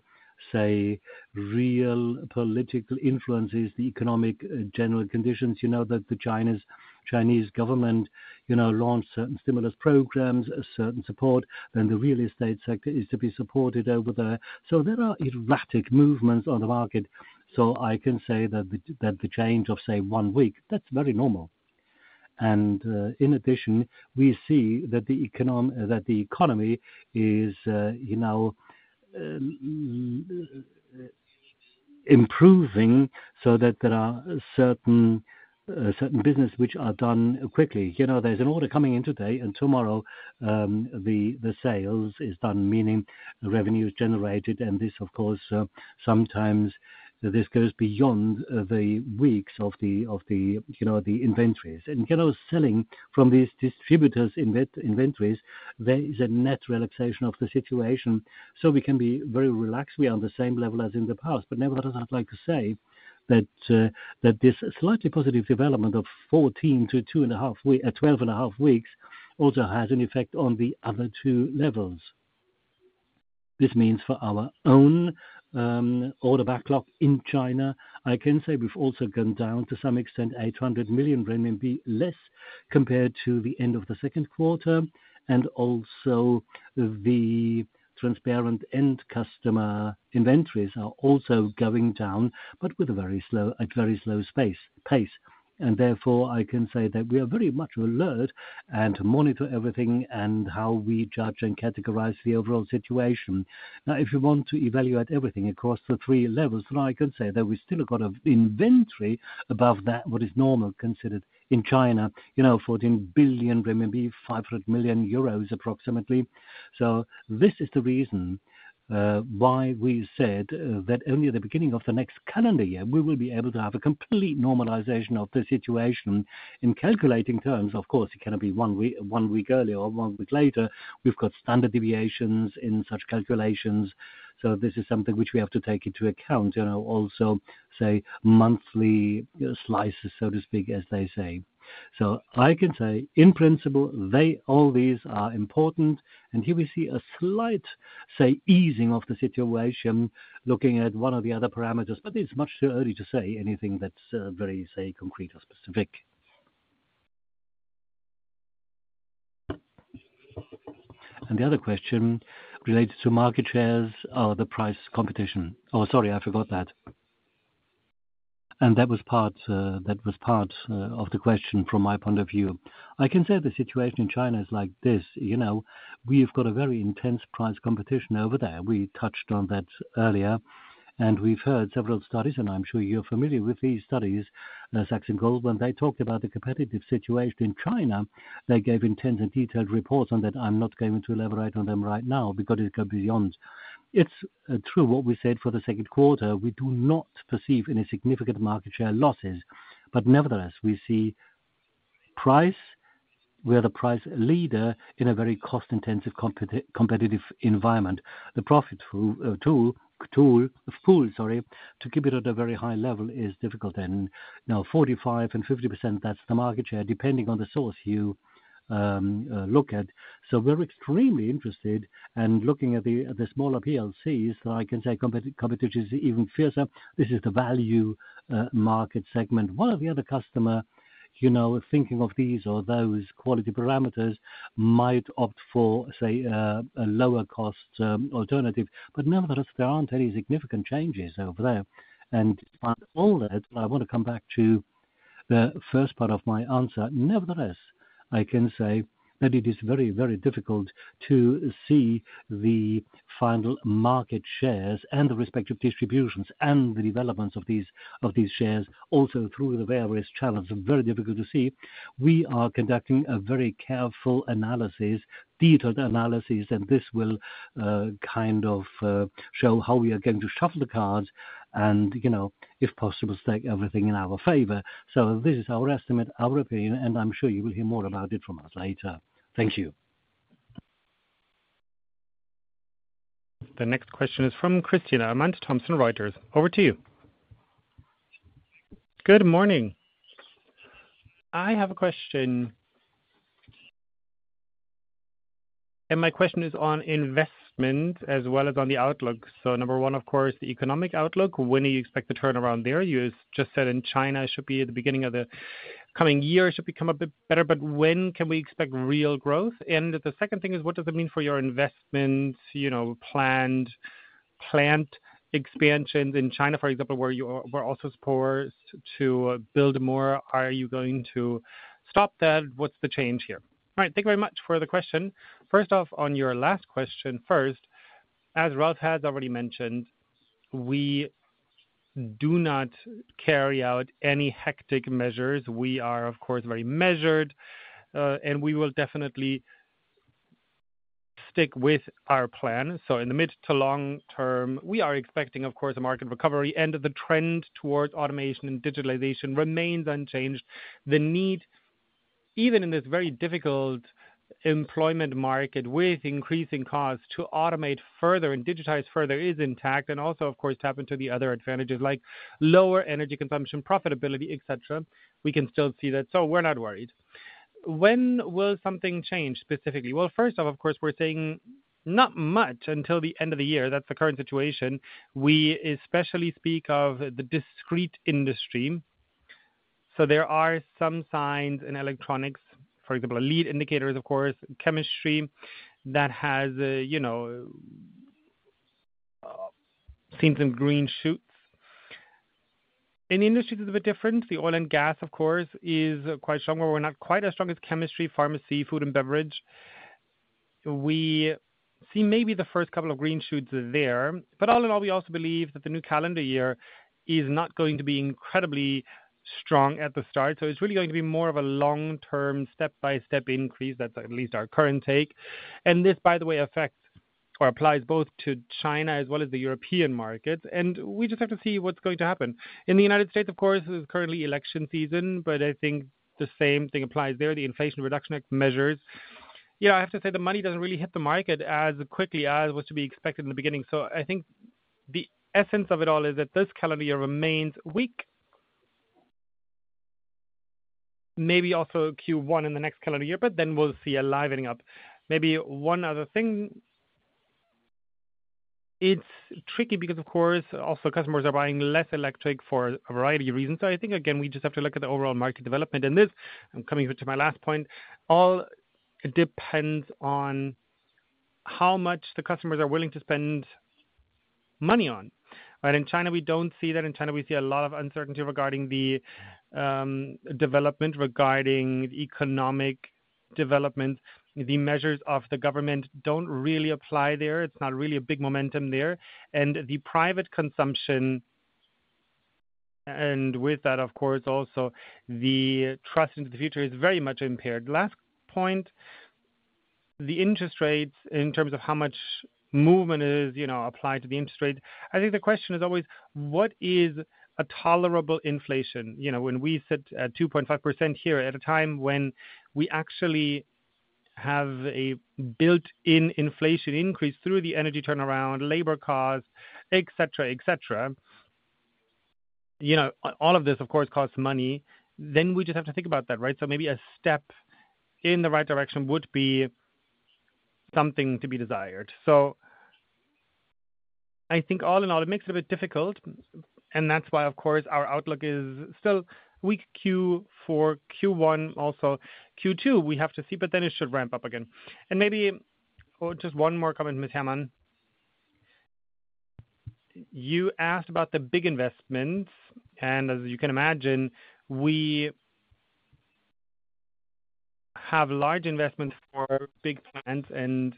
say, real political influences, the economic general conditions, you know, that the Chinese government, you know, launched certain stimulus programs, a certain support, and the real estate sector is to be supported over there. So there are erratic movements on the market. So I can say that the change of, say, one week, that's very normal. And in addition, we see that the economy is, you know, improving so that there are certain business which are done quickly. You know, there's an order coming in today and tomorrow, the sales is done, meaning the revenue is generated. And this, of course, sometimes this goes beyond the weeks of the inventories. And, you know, selling from these distributors' inventories, there is a net relaxation of the situation, so we can be very relaxed. We are on the same level as in the past. But nevertheless, I'd like to say that that this slightly positive development of 14 to 2.5 week, 12.5 weeks, also has an effect on the other two levels. This means for our own order backlog in China, I can say we've also gone down to some extent, 800 million renminbi less compared to the end of the second quarter. And also the transparent end customer inventories are also going down, but with a very slow, at very slow pace. And therefore, I can say that we are very much alert and monitor everything and how we judge and categorize the overall situation. Now, if you want to evaluate everything across the three levels, then I can say that we still got an inventory above that what is normal considered in China, you know, 14 billion RMB, 500 million euros, approximately. So this is the reason why we said that only the beginning of the next calendar year, we will be able to have a complete normalization of the situation. In calculating terms, of course, it cannot be one week, one week earlier or one week later. We've got standard deviations in such calculations, so this is something which we have to take into account, you know, also, say, monthly slices, so to speak, as they say. So I can say in principle, they all these are important, and here we see a slight, say, easing of the situation, looking at one of the other parameters, but it's much too early to say anything that's very, say, concrete or specific. And the other question related to market shares, the price competition. Oh, sorry, I forgot that. And that was part, that was part, of the question from my point of view. I can say the situation in China is like this, you know, we've got a very intense price competition over there. We touched on that earlier, and we've heard several studies, and I'm sure you're familiar with these studies, Saxon Gold, when they talk about the competitive situation in China, they gave intense and detailed reports on that. I'm not going to elaborate on them right now because it go beyond. It's true what we said for the second quarter, we do not perceive any significant market share losses, but nevertheless, we see price. We are the price leader in a very cost-intensive competitive environment. The profit pool, sorry, to keep it at a very high level is difficult. And now 45% and 50%, that's the market share, depending on the source you look at. So we're extremely interested and looking at the smaller PLCs, so I can say competition is even fiercer. This is the value market segment. One of the other customer, you know, thinking of these or those quality parameters might opt for, say, a lower cost alternative. But nevertheless, there aren't any significant changes over there. And on all that, I want to come back to the first part of my answer. Nevertheless, I can say that it is very, very difficult to see the final market shares and the respective distributions and the developments of these, of these shares, also through the various channels, very difficult to see. We are conducting a very careful analysis, detailed analysis, and this will kind of show how we are going to shuffle the cards and, you know, if possible, take everything in our favor. So this is our estimate, our opinion, and I'm sure you will hear more about it from us later. Thank you. The next question is from Christina Amann, Thomson Reuters, over to you. Good morning. I have a question- And my question is on investment as well as on the outlook. So number one, of course, the economic outlook, when do you expect the turnaround there? You just said in China, it should be at the beginning of the coming year, it should become a bit better, but when can we expect real growth? And the second thing is, what does it mean for your investments, you know, planned plant expansions in China, for example, where you were also supposed to build more. Are you going to stop that? What's the change here? All right, thank you very much for the question. First off, on your last question first, as Ralf has already mentioned, we do not carry out any hectic measures. We are, of course, very measured, and we will definitely stick with our plan. In the mid to long term, we are expecting, of course, a market recovery, and the trend towards automation and digitalization remains unchanged. The need, even in this very difficult employment market, with increasing costs to automate further and digitize further is intact, and also, of course, tap into the other advantages like lower energy consumption, profitability, et cetera. We can still see that, so we're not worried. When will something change specifically? Well, first off, of course, we're saying not much until the end of the year. That's the current situation. We especially speak of the discrete industry, so there are some signs in electronics, for example, a lead indicator, of course, chemistry, that has seen some green shoots. In industries, it's a bit different. The oil and gas, of course, is quite strong, but we're not quite as strong as chemistry, pharmacy, food, and beverage. We see maybe the first couple of green shoots there, but all in all, we also believe that the new calendar year is not going to be incredibly strong at the start. So it's really going to be more of a long-term, step-by-step increase. That's at least our current take. And this, by the way, affects or applies both to China as well as the European market, and we just have to see what's going to happen. In the United States, of course, it's currently election season, but I think the same thing applies there, the Inflation Reduction Act measures. Yeah, I have to say, the money doesn't really hit the market as quickly as was to be expected in the beginning. So I think the essence of it all is that this calendar year remains weak. Maybe also Q1 in the next calendar year, but then we'll see a livening up. Maybe one other thing. It's tricky because, of course, also customers are buying less electric for a variety of reasons. So I think, again, we just have to look at the overall market development, and this, I'm coming to my last point, all depends on how much the customers are willing to spend money on, right? In China, we don't see that. In China, we see a lot of uncertainty regarding the development, regarding economic development. The measures of the government don't really apply there. It's not really a big momentum there. And the private consumption, and with that, of course, also the trust into the future is very much impaired. Last point, the interest rates, in terms of how much movement is, you know, applied to the interest rate. I think the question is always: What is a tolerable inflation? You know, when we sit at 2.5% here, at a time when we actually have a built-in inflation increase through the energy turnaround, labor costs, et cetera, et cetera, you know, all of this, of course, costs money. Then we just have to think about that, right? So maybe a step in the right direction would be something to be desired. So I think all in all, it makes it a bit difficult, and that's why, of course, our outlook is still weak Q4, Q1, also Q2, we have to see, but then it should ramp up again. And maybe, oh, just one more comment, Ms. Hammond. You asked about the big investments, and as you can imagine, we have large investments for big plans, and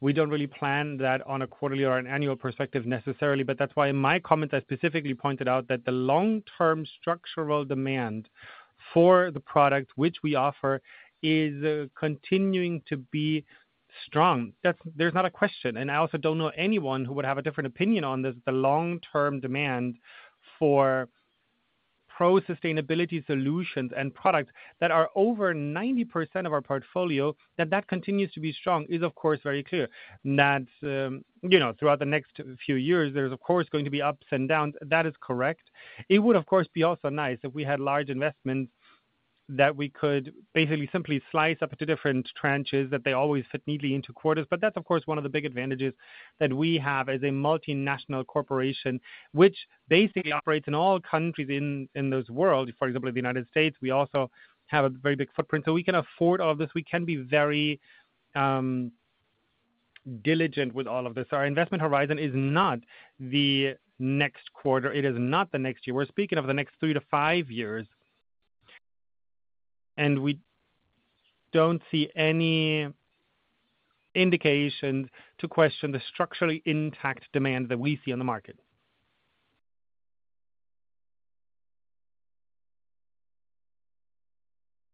we don't really plan that on a quarterly or an annual perspective necessarily, but that's why in my comments, I specifically pointed out that the long-term structural demand for the product which we offer is continuing to be strong. That's. There's not a question, and I also don't know anyone who would have a different opinion on this. The long-term demand for pro-sustainability solutions and products that are over 90% of our portfolio, that that continues to be strong, is, of course, very clear. That, you know, throughout the next few years, there's of course going to be ups and downs. That is correct. It would, of course, be also nice if we had large investments that we could basically simply slice up into different tranches, that they always fit neatly into quarters. But that's, of course, one of the big advantages that we have as a multinational corporation, which basically operates in all countries in this world. For example, the United States, we also have a very big footprint, so we can afford all this. We can be very diligent with all of this. Our investment horizon is not the next quarter, it is not the next year. We're speaking of the next three to five years, and we don't see any indication to question the structurally intact demand that we see on the market.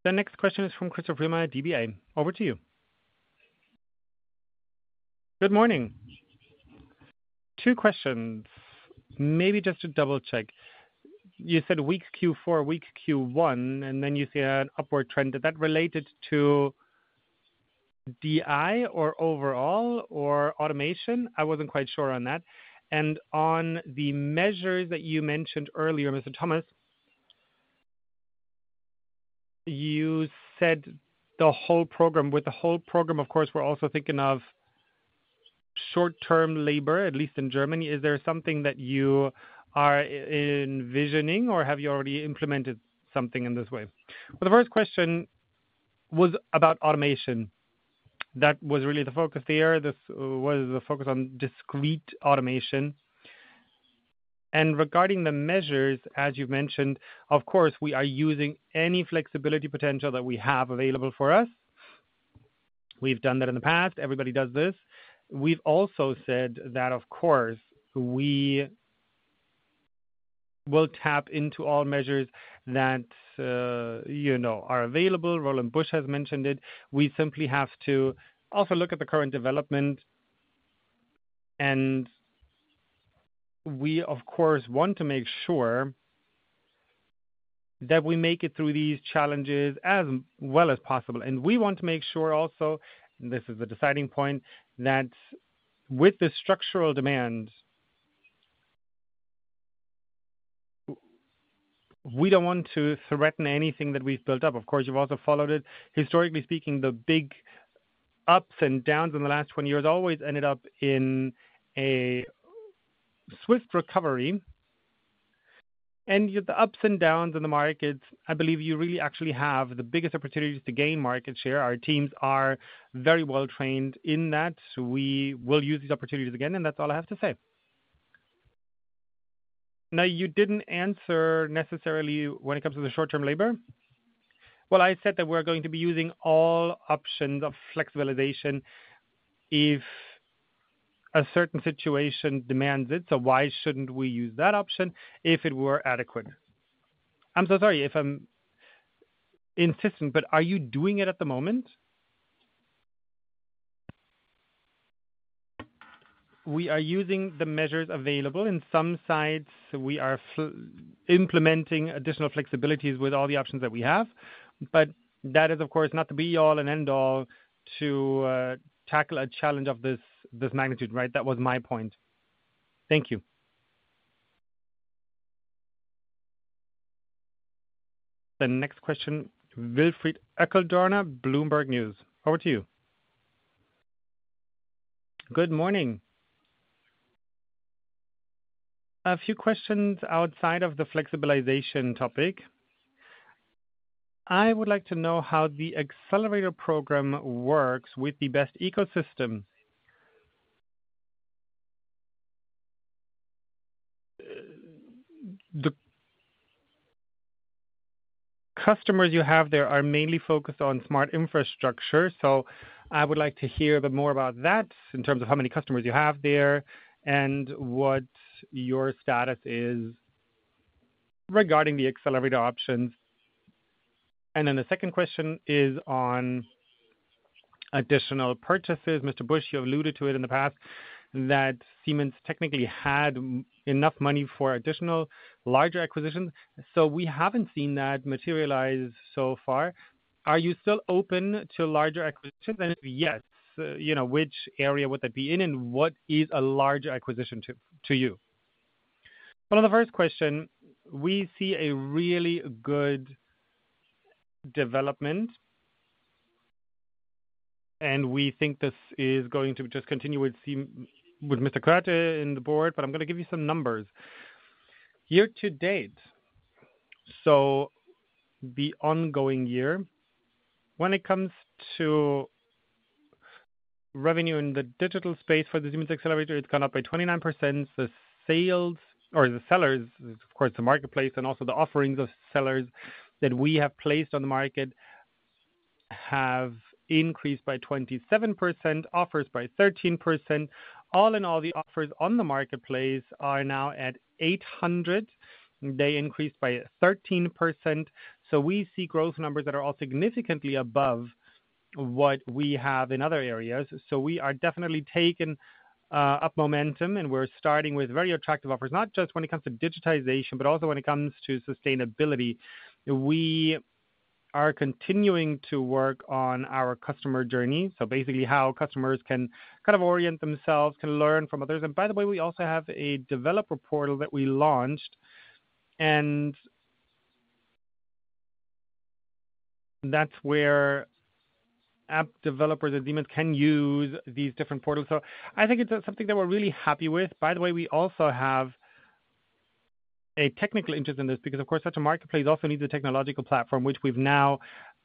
The next question is from Christoph Meyer, DPA. Over to you. Good morning. Two questions, maybe just to double-check. You said weak Q4, weak Q1, and then you see an upward trend. Is that related to DI or overall or automation? I wasn't quite sure on that. And on the measures that you mentioned earlier, Mr. Thomas. You said the whole program. With the whole program, of course, we're also thinking of short-term labor, at least in Germany. Is there something that you are envisioning, or have you already implemented something in this way? Well, the first question was about automation. That was really the focus there. This was the focus on discrete automation. And regarding the measures, as you mentioned, of course, we are using any flexibility potential that we have available for us. We've done that in the past. Everybody does this. We've also said that, of course, we will tap into all measures that, you know, are available. Roland Busch has mentioned it. We simply have to also look at the current development, and we, of course, want to make sure that we make it through these challenges as well as possible. And we want to make sure also, this is the deciding point, that with the structural demand, we don't want to threaten anything that we've built up. Of course, you've also followed it. Historically speaking, the big ups and downs in the last 20 years always ended up in a swift recovery. And with the ups and downs in the markets, I believe you really actually have the biggest opportunities to gain market share. Our teams are very well trained in that. We will use these opportunities again, and that's all I have to say. Now, you didn't answer necessarily when it comes to the short-term labor. Well, I said that we're going to be using all options of flexibilization if a certain situation demands it, so why shouldn't we use that option if it were adequate? I'm so sorry if I'm insistent, but are you doing it at the moment? We are using the measures available. In some sites, we are implementing additional flexibilities with all the options that we have, but that is, of course, not the be all and end all to tackle a challenge of this, this magnitude, right? That was my point. Thank you. The next question, Wilfried Eckl-Dorna, Bloomberg News, over to you. Good morning. A few questions outside of the flexibilization topic. I would like to know how the accelerator program works with the best ecosystem. The customers you have there are mainly focused on Smart Infrastructure, so I would like to hear a bit more about that in terms of how many customers you have there and what your status is regarding the accelerator options. And then the second question is on additional purchases. Mr. Busch, you alluded to it in the past, that Siemens technically had enough money for additional larger acquisitions, so we haven't seen that materialize so far. Are you still open to larger acquisitions? And if yes, you know, which area would that be in, and what is a larger acquisition to you? Well, on the first question, we see a really good development, and we think this is going to just continue with Mr. Körte in the board, but I'm gonna give you some numbers. Year to date, so the ongoing year, when it comes to revenue in the digital space for the Siemens Accelerator, it's gone up by 29%. The sales or the sellers, of course, the marketplace, and also the offerings of sellers that we have placed on the market, have increased by 27%, offers by 13%. All in all, the offers on the marketplace are now at 800. They increased by 13%, so we see growth numbers that are all significantly above what we have in other areas. So we are definitely taking up momentum, and we're starting with very attractive offers, not just when it comes to digitization, but also when it comes to sustainability. We are continuing to work on our customer journey, so basically how customers can kind of orient themselves, can learn from others. By the way, we also have a developer portal that we launched, and that's where app developers at Siemens can use these different portals. So I think it's something that we're really happy with. By the way, we also have a technical interest in this because, of course, such a marketplace also needs a technological platform, which we've now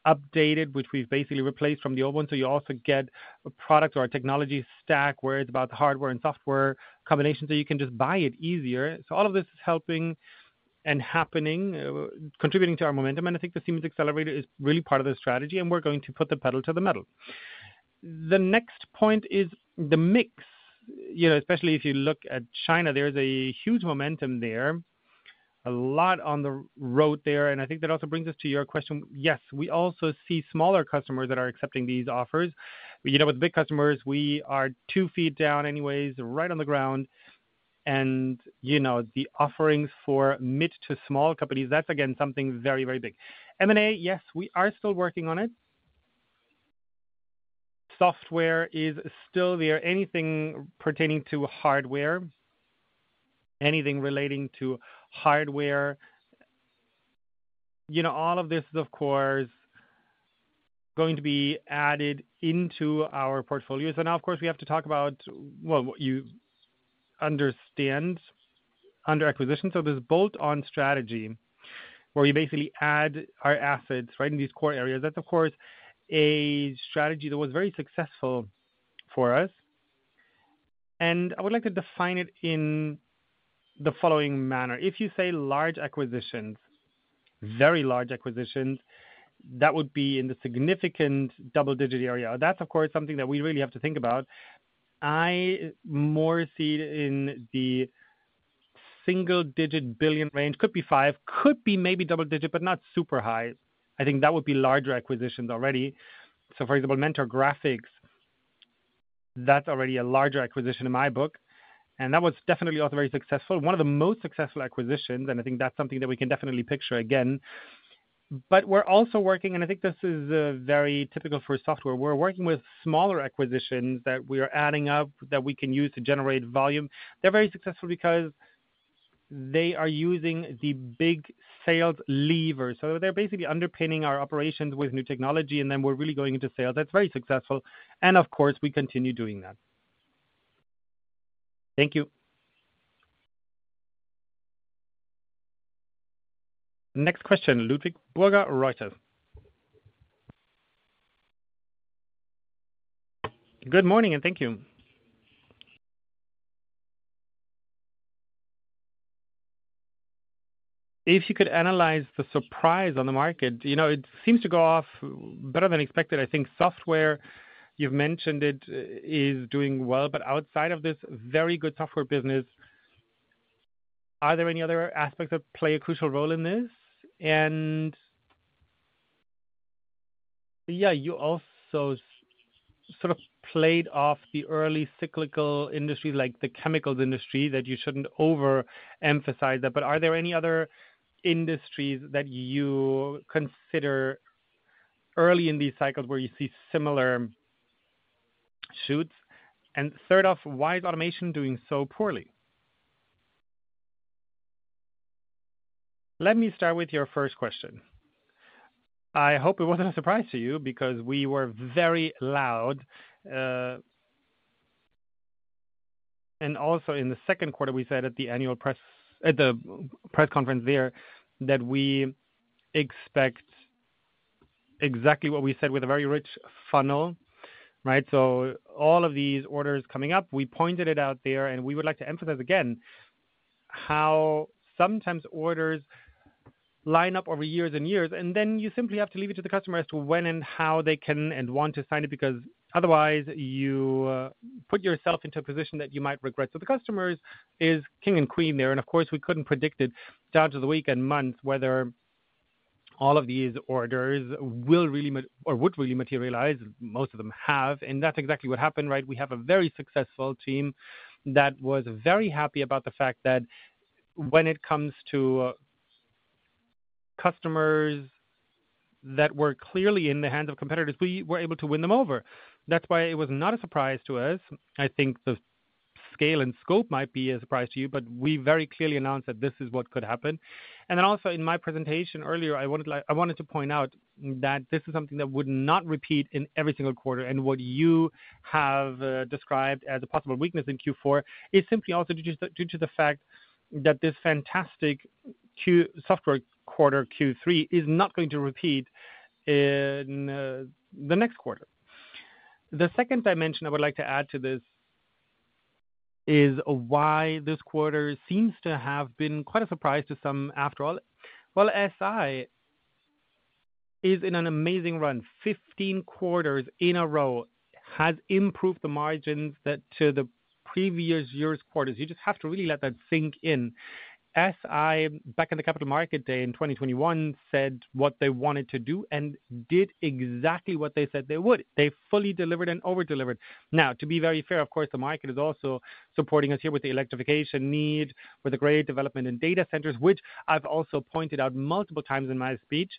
updated, which we've basically replaced from the old one. So you also get a product or a technology stack, where it's about the hardware and software combination, so you can just buy it easier. So all of this is helping and happening, contributing to our momentum, and I think the Siemens Accelerator is really part of the strategy, and we're going to put the pedal to the metal. The next point is the mix. You know, especially if you look at China, there is a huge momentum there, a lot on the road there, and I think that also brings us to your question. Yes, we also see smaller customers that are accepting these offers. But, you know, with big customers, we are two feet down anyways, right on the ground, and, you know, the offerings for mid to small companies, that's again, something very, very big. M&A, yes, we are still working on it.... Software is still there. Anything pertaining to hardware, anything relating to hardware, you know, all of this is, of course, going to be added into our portfolios. And now, of course, we have to talk about, well, what you understand under acquisition. So this bolt-on strategy, where we basically add our assets right in these core areas, that's of course, a strategy that was very successful for us. I would like to define it in the following manner: If you say large acquisitions, very large acquisitions, that would be in the significant double-digit EUR area. That's, of course, something that we really have to think about. I more see it in the single-digit billion range. Could be 5 billion, could be maybe double-digit, but not super high. I think that would be larger acquisitions already. So for example, Mentor Graphics, that's already a larger acquisition in my book, and that was definitely also very successful, one of the most successful acquisitions, and I think that's something that we can definitely picture again. But we're also working, and I think this is very typical for software. We're working with smaller acquisitions that we are adding up that we can use to generate volume. They're very successful because they are using the big sales lever. So they're basically underpinning our operations with new technology, and then we're really going into sale. That's very successful, and of course, we continue doing that. Thank you. Next question, Ludwig Burger, Reuters. Good morning, and thank you. If you could analyze the surprise on the market, you know, it seems to go off better than expected. I think software, you've mentioned it, is doing well, but outside of this very good software business, are there any other aspects that play a crucial role in this? And, yeah, you also sort of played off the early cyclical industry, like the chemicals industry, that you shouldn't overemphasize that. But are there any other industries that you consider early in these cycles where you see similar shoots? And third off, why is automation doing so poorly? Let me start with your first question. I hope it wasn't a surprise to you because we were very loud. And also in the second quarter, we said at the annual press conference there, that we expect exactly what we said with a very rich funnel, right? So all of these orders coming up, we pointed it out there, and we would like to emphasize again, how sometimes orders line up over years and years, and then you simply have to leave it to the customer as to when and how they can and want to sign it, because otherwise you put yourself into a position that you might regret. So the customers is king and queen there, and of course, we couldn't predict it down to the week and months, whether all of these orders will really or would really materialize. Most of them have, and that's exactly what happened, right? We have a very successful team that was very happy about the fact that when it comes to customers that were clearly in the hands of competitors, we were able to win them over. That's why it was not a surprise to us. I think the scale and scope might be a surprise to you, but we very clearly announced that this is what could happen. And then also in my presentation earlier, I wanted to point out that this is something that would not repeat in every single quarter. And what you have described as a possible weakness in Q4 is simply also due to the fact that this fantastic software quarter, Q3, is not going to repeat in the next quarter. The second dimension I would like to add to this is why this quarter seems to have been quite a surprise to some, after all. Well, SI is in an amazing run. 15 quarters in a row has improved the margins that to the previous years' quarters. You just have to really let that sink in. SI, back in the capital market day in 2021, said what they wanted to do and did exactly what they said they would. They fully delivered and over-delivered. Now, to be very fair, of course, the market is also supporting us here with the electrification need, with the great development in data centers, which I've also pointed out multiple times in my speech.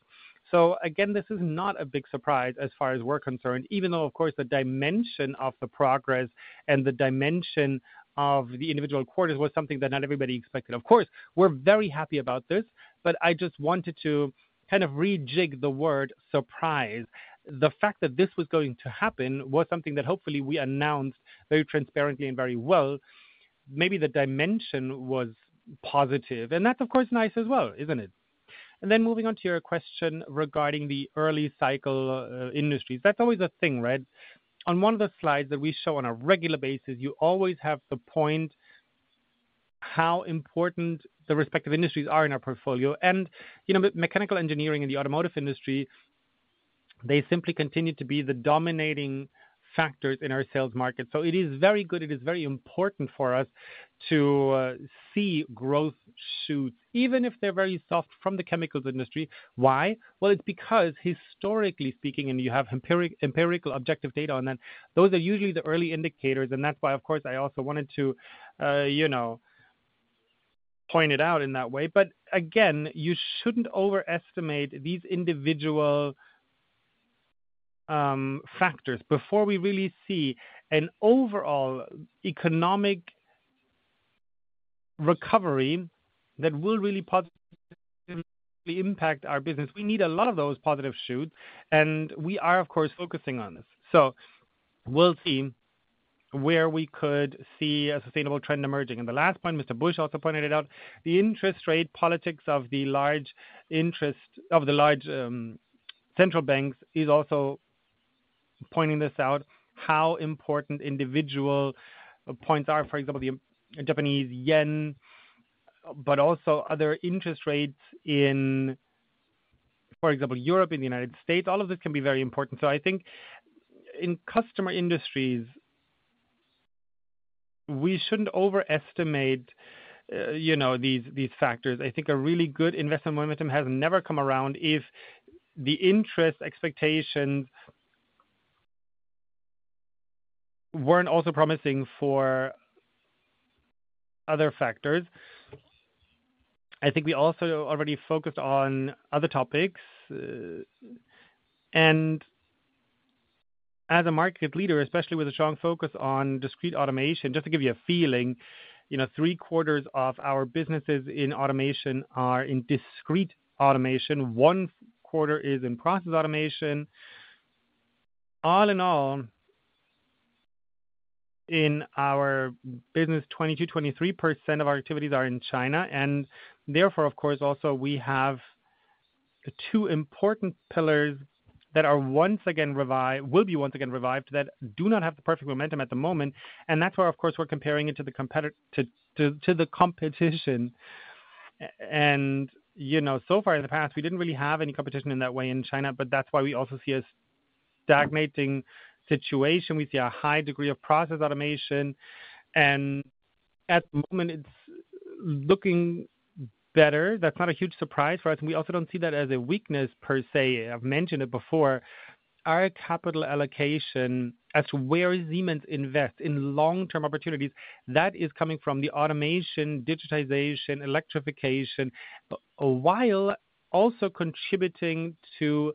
So again, this is not a big surprise as far as we're concerned, even though, of course, the dimension of the progress and the dimension of the individual quarters was something that not everybody expected. Of course, we're very happy about this, but I just wanted to kind of rejig the word surprise. The fact that this was going to happen was something that hopefully we announced very transparently and very well. Maybe the dimension was positive, and that's, of course, nice as well, isn't it? And then moving on to your question regarding the early cycle industries, that's always a thing, right? On one of the slides that we show on a regular basis, you always have the point how important the respective industries are in our portfolio. And, you know, mechanical engineering and the automotive industry, they simply continue to be the dominating factors in our sales market. So it is very good, it is very important for us to see growth shoots, even if they're very soft from the chemicals industry. Why? Well, it's because historically speaking, and you have empirical, objective data on that, those are usually the early indicators, and that's why, of course, I also wanted to pointed out in that way, but again, you shouldn't overestimate these individual factors. Before we really see an overall economic recovery that will really positively impact our business, we need a lot of those positive shoots, and we are, of course, focusing on this. So we'll see where we could see a sustainable trend emerging. And the last point, Mr. Busch also pointed it out, the interest rate politics of the large central banks is also pointing this out, how important individual points are. For example, the Japanese yen, but also other interest rates in, for example, Europe and the United States. All of this can be very important. So I think in customer industries, we shouldn't overestimate, you know, these factors. I think a really good investment momentum has never come around if the interest expectations weren't also promising for other factors. I think we also already focused on other topics, and as a market leader, especially with a strong focus on discrete automation, just to give you a feeling, you know, three quarters of our businesses in automation are in discrete automation. One quarter is in process automation. All in all, in our business, 22%-23% of our activities are in China, and therefore, of course, also we have the two important pillars that are once again revive- will be once again revived, that do not have the perfect momentum at the moment, and that's where, of course, we're comparing it to the competit- to, to, to the competition. And, you know, so far in the past, we didn't really have any competition in that way in China, but that's why we also see a stagnating situation. We see a high degree of process automation, and at the moment it's looking better. That's not a huge surprise for us, and we also don't see that as a weakness, per se. I've mentioned it before, our capital allocation as to where Siemens invest in long-term opportunities, that is coming from the automation, digitization, electrification, but while also contributing to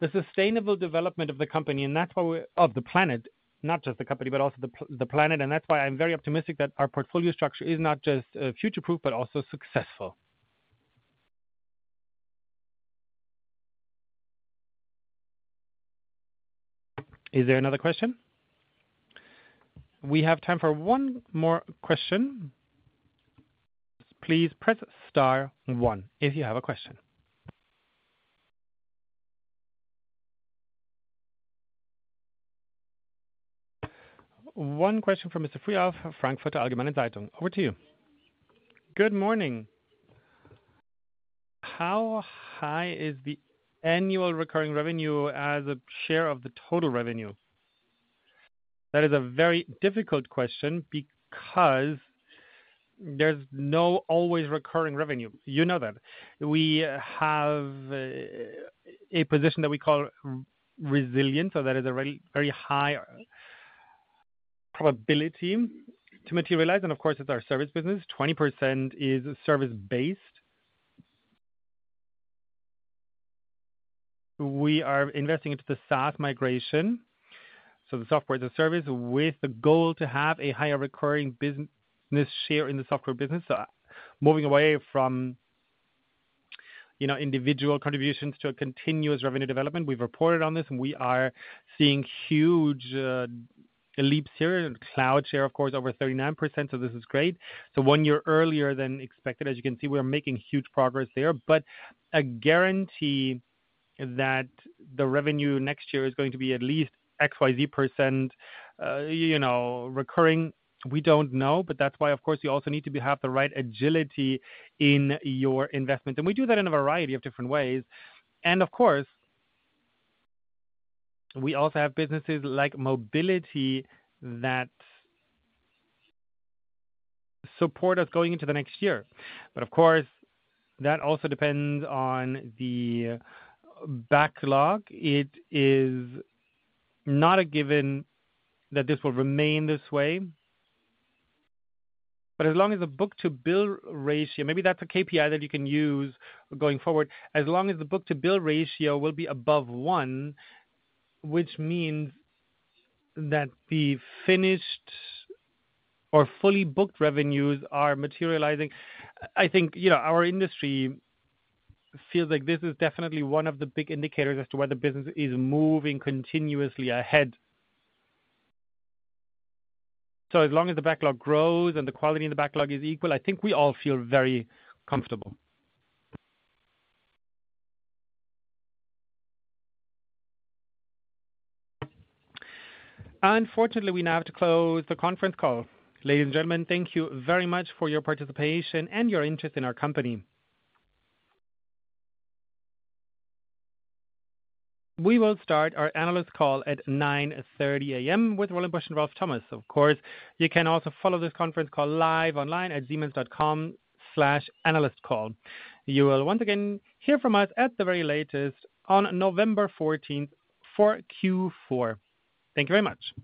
the sustainable development of the company, and that's why we're of the planet, not just the company, but also the planet, and that's why I'm very optimistic that our portfolio structure is not just future-proof, but also successful. Is there another question? We have time for one more question. Please press star one if you have a question. One question from Mr. Friel of Frankfurter Allgemeine Zeitung. Over to you. Good morning. How high is the annual recurring revenue as a share of the total revenue? That is a very difficult question because there's no always recurring revenue. You know that. We have a position that we call resilience, so that is a very, very high probability to materialize, and of course, it's our service business. 20% is service-based. We are investing into the SaaS migration, so the software as a service, with the goal to have a higher recurring business share in the software business. So, moving away from, you know, individual contributions to a continuous revenue development. We've reported on this, and we are seeing huge leaps here, and cloud share, of course, over 39%, so this is great. So one year earlier than expected. As you can see, we are making huge progress there, but a guarantee that the revenue next year is going to be at least XYZ%, you know, recurring, we don't know. But that's why, of course, you also need to have the right agility in your investment, and we do that in a variety of different ways. And of course, we also have businesses like Mobility that support us going into the next year. But of course, that also depends on the backlog. It is not a given that this will remain this way, but as long as the book-to-bill ratio, maybe that's a KPI that you can use going forward, as long as the book-to-bill ratio will be above one, which means that the finished or fully booked revenues are materializing, I think, you know, our industry feels like this is definitely one of the big indicators as to whether business is moving continuously ahead. So as long as the backlog grows and the quality of the backlog is equal, I think we all feel very comfortable. Unfortunately, we now have to close the conference call. Ladies and gentlemen, thank you very much for your participation and your interest in our company. We will start our analyst call at 9:30 A.M. with Roland Busch and Ralf Thomas. Of course, you can also follow this conference call live online at siemens.com/analystcall. You will once again hear from us at the very latest on November fourteenth for Q4. Thank you very much!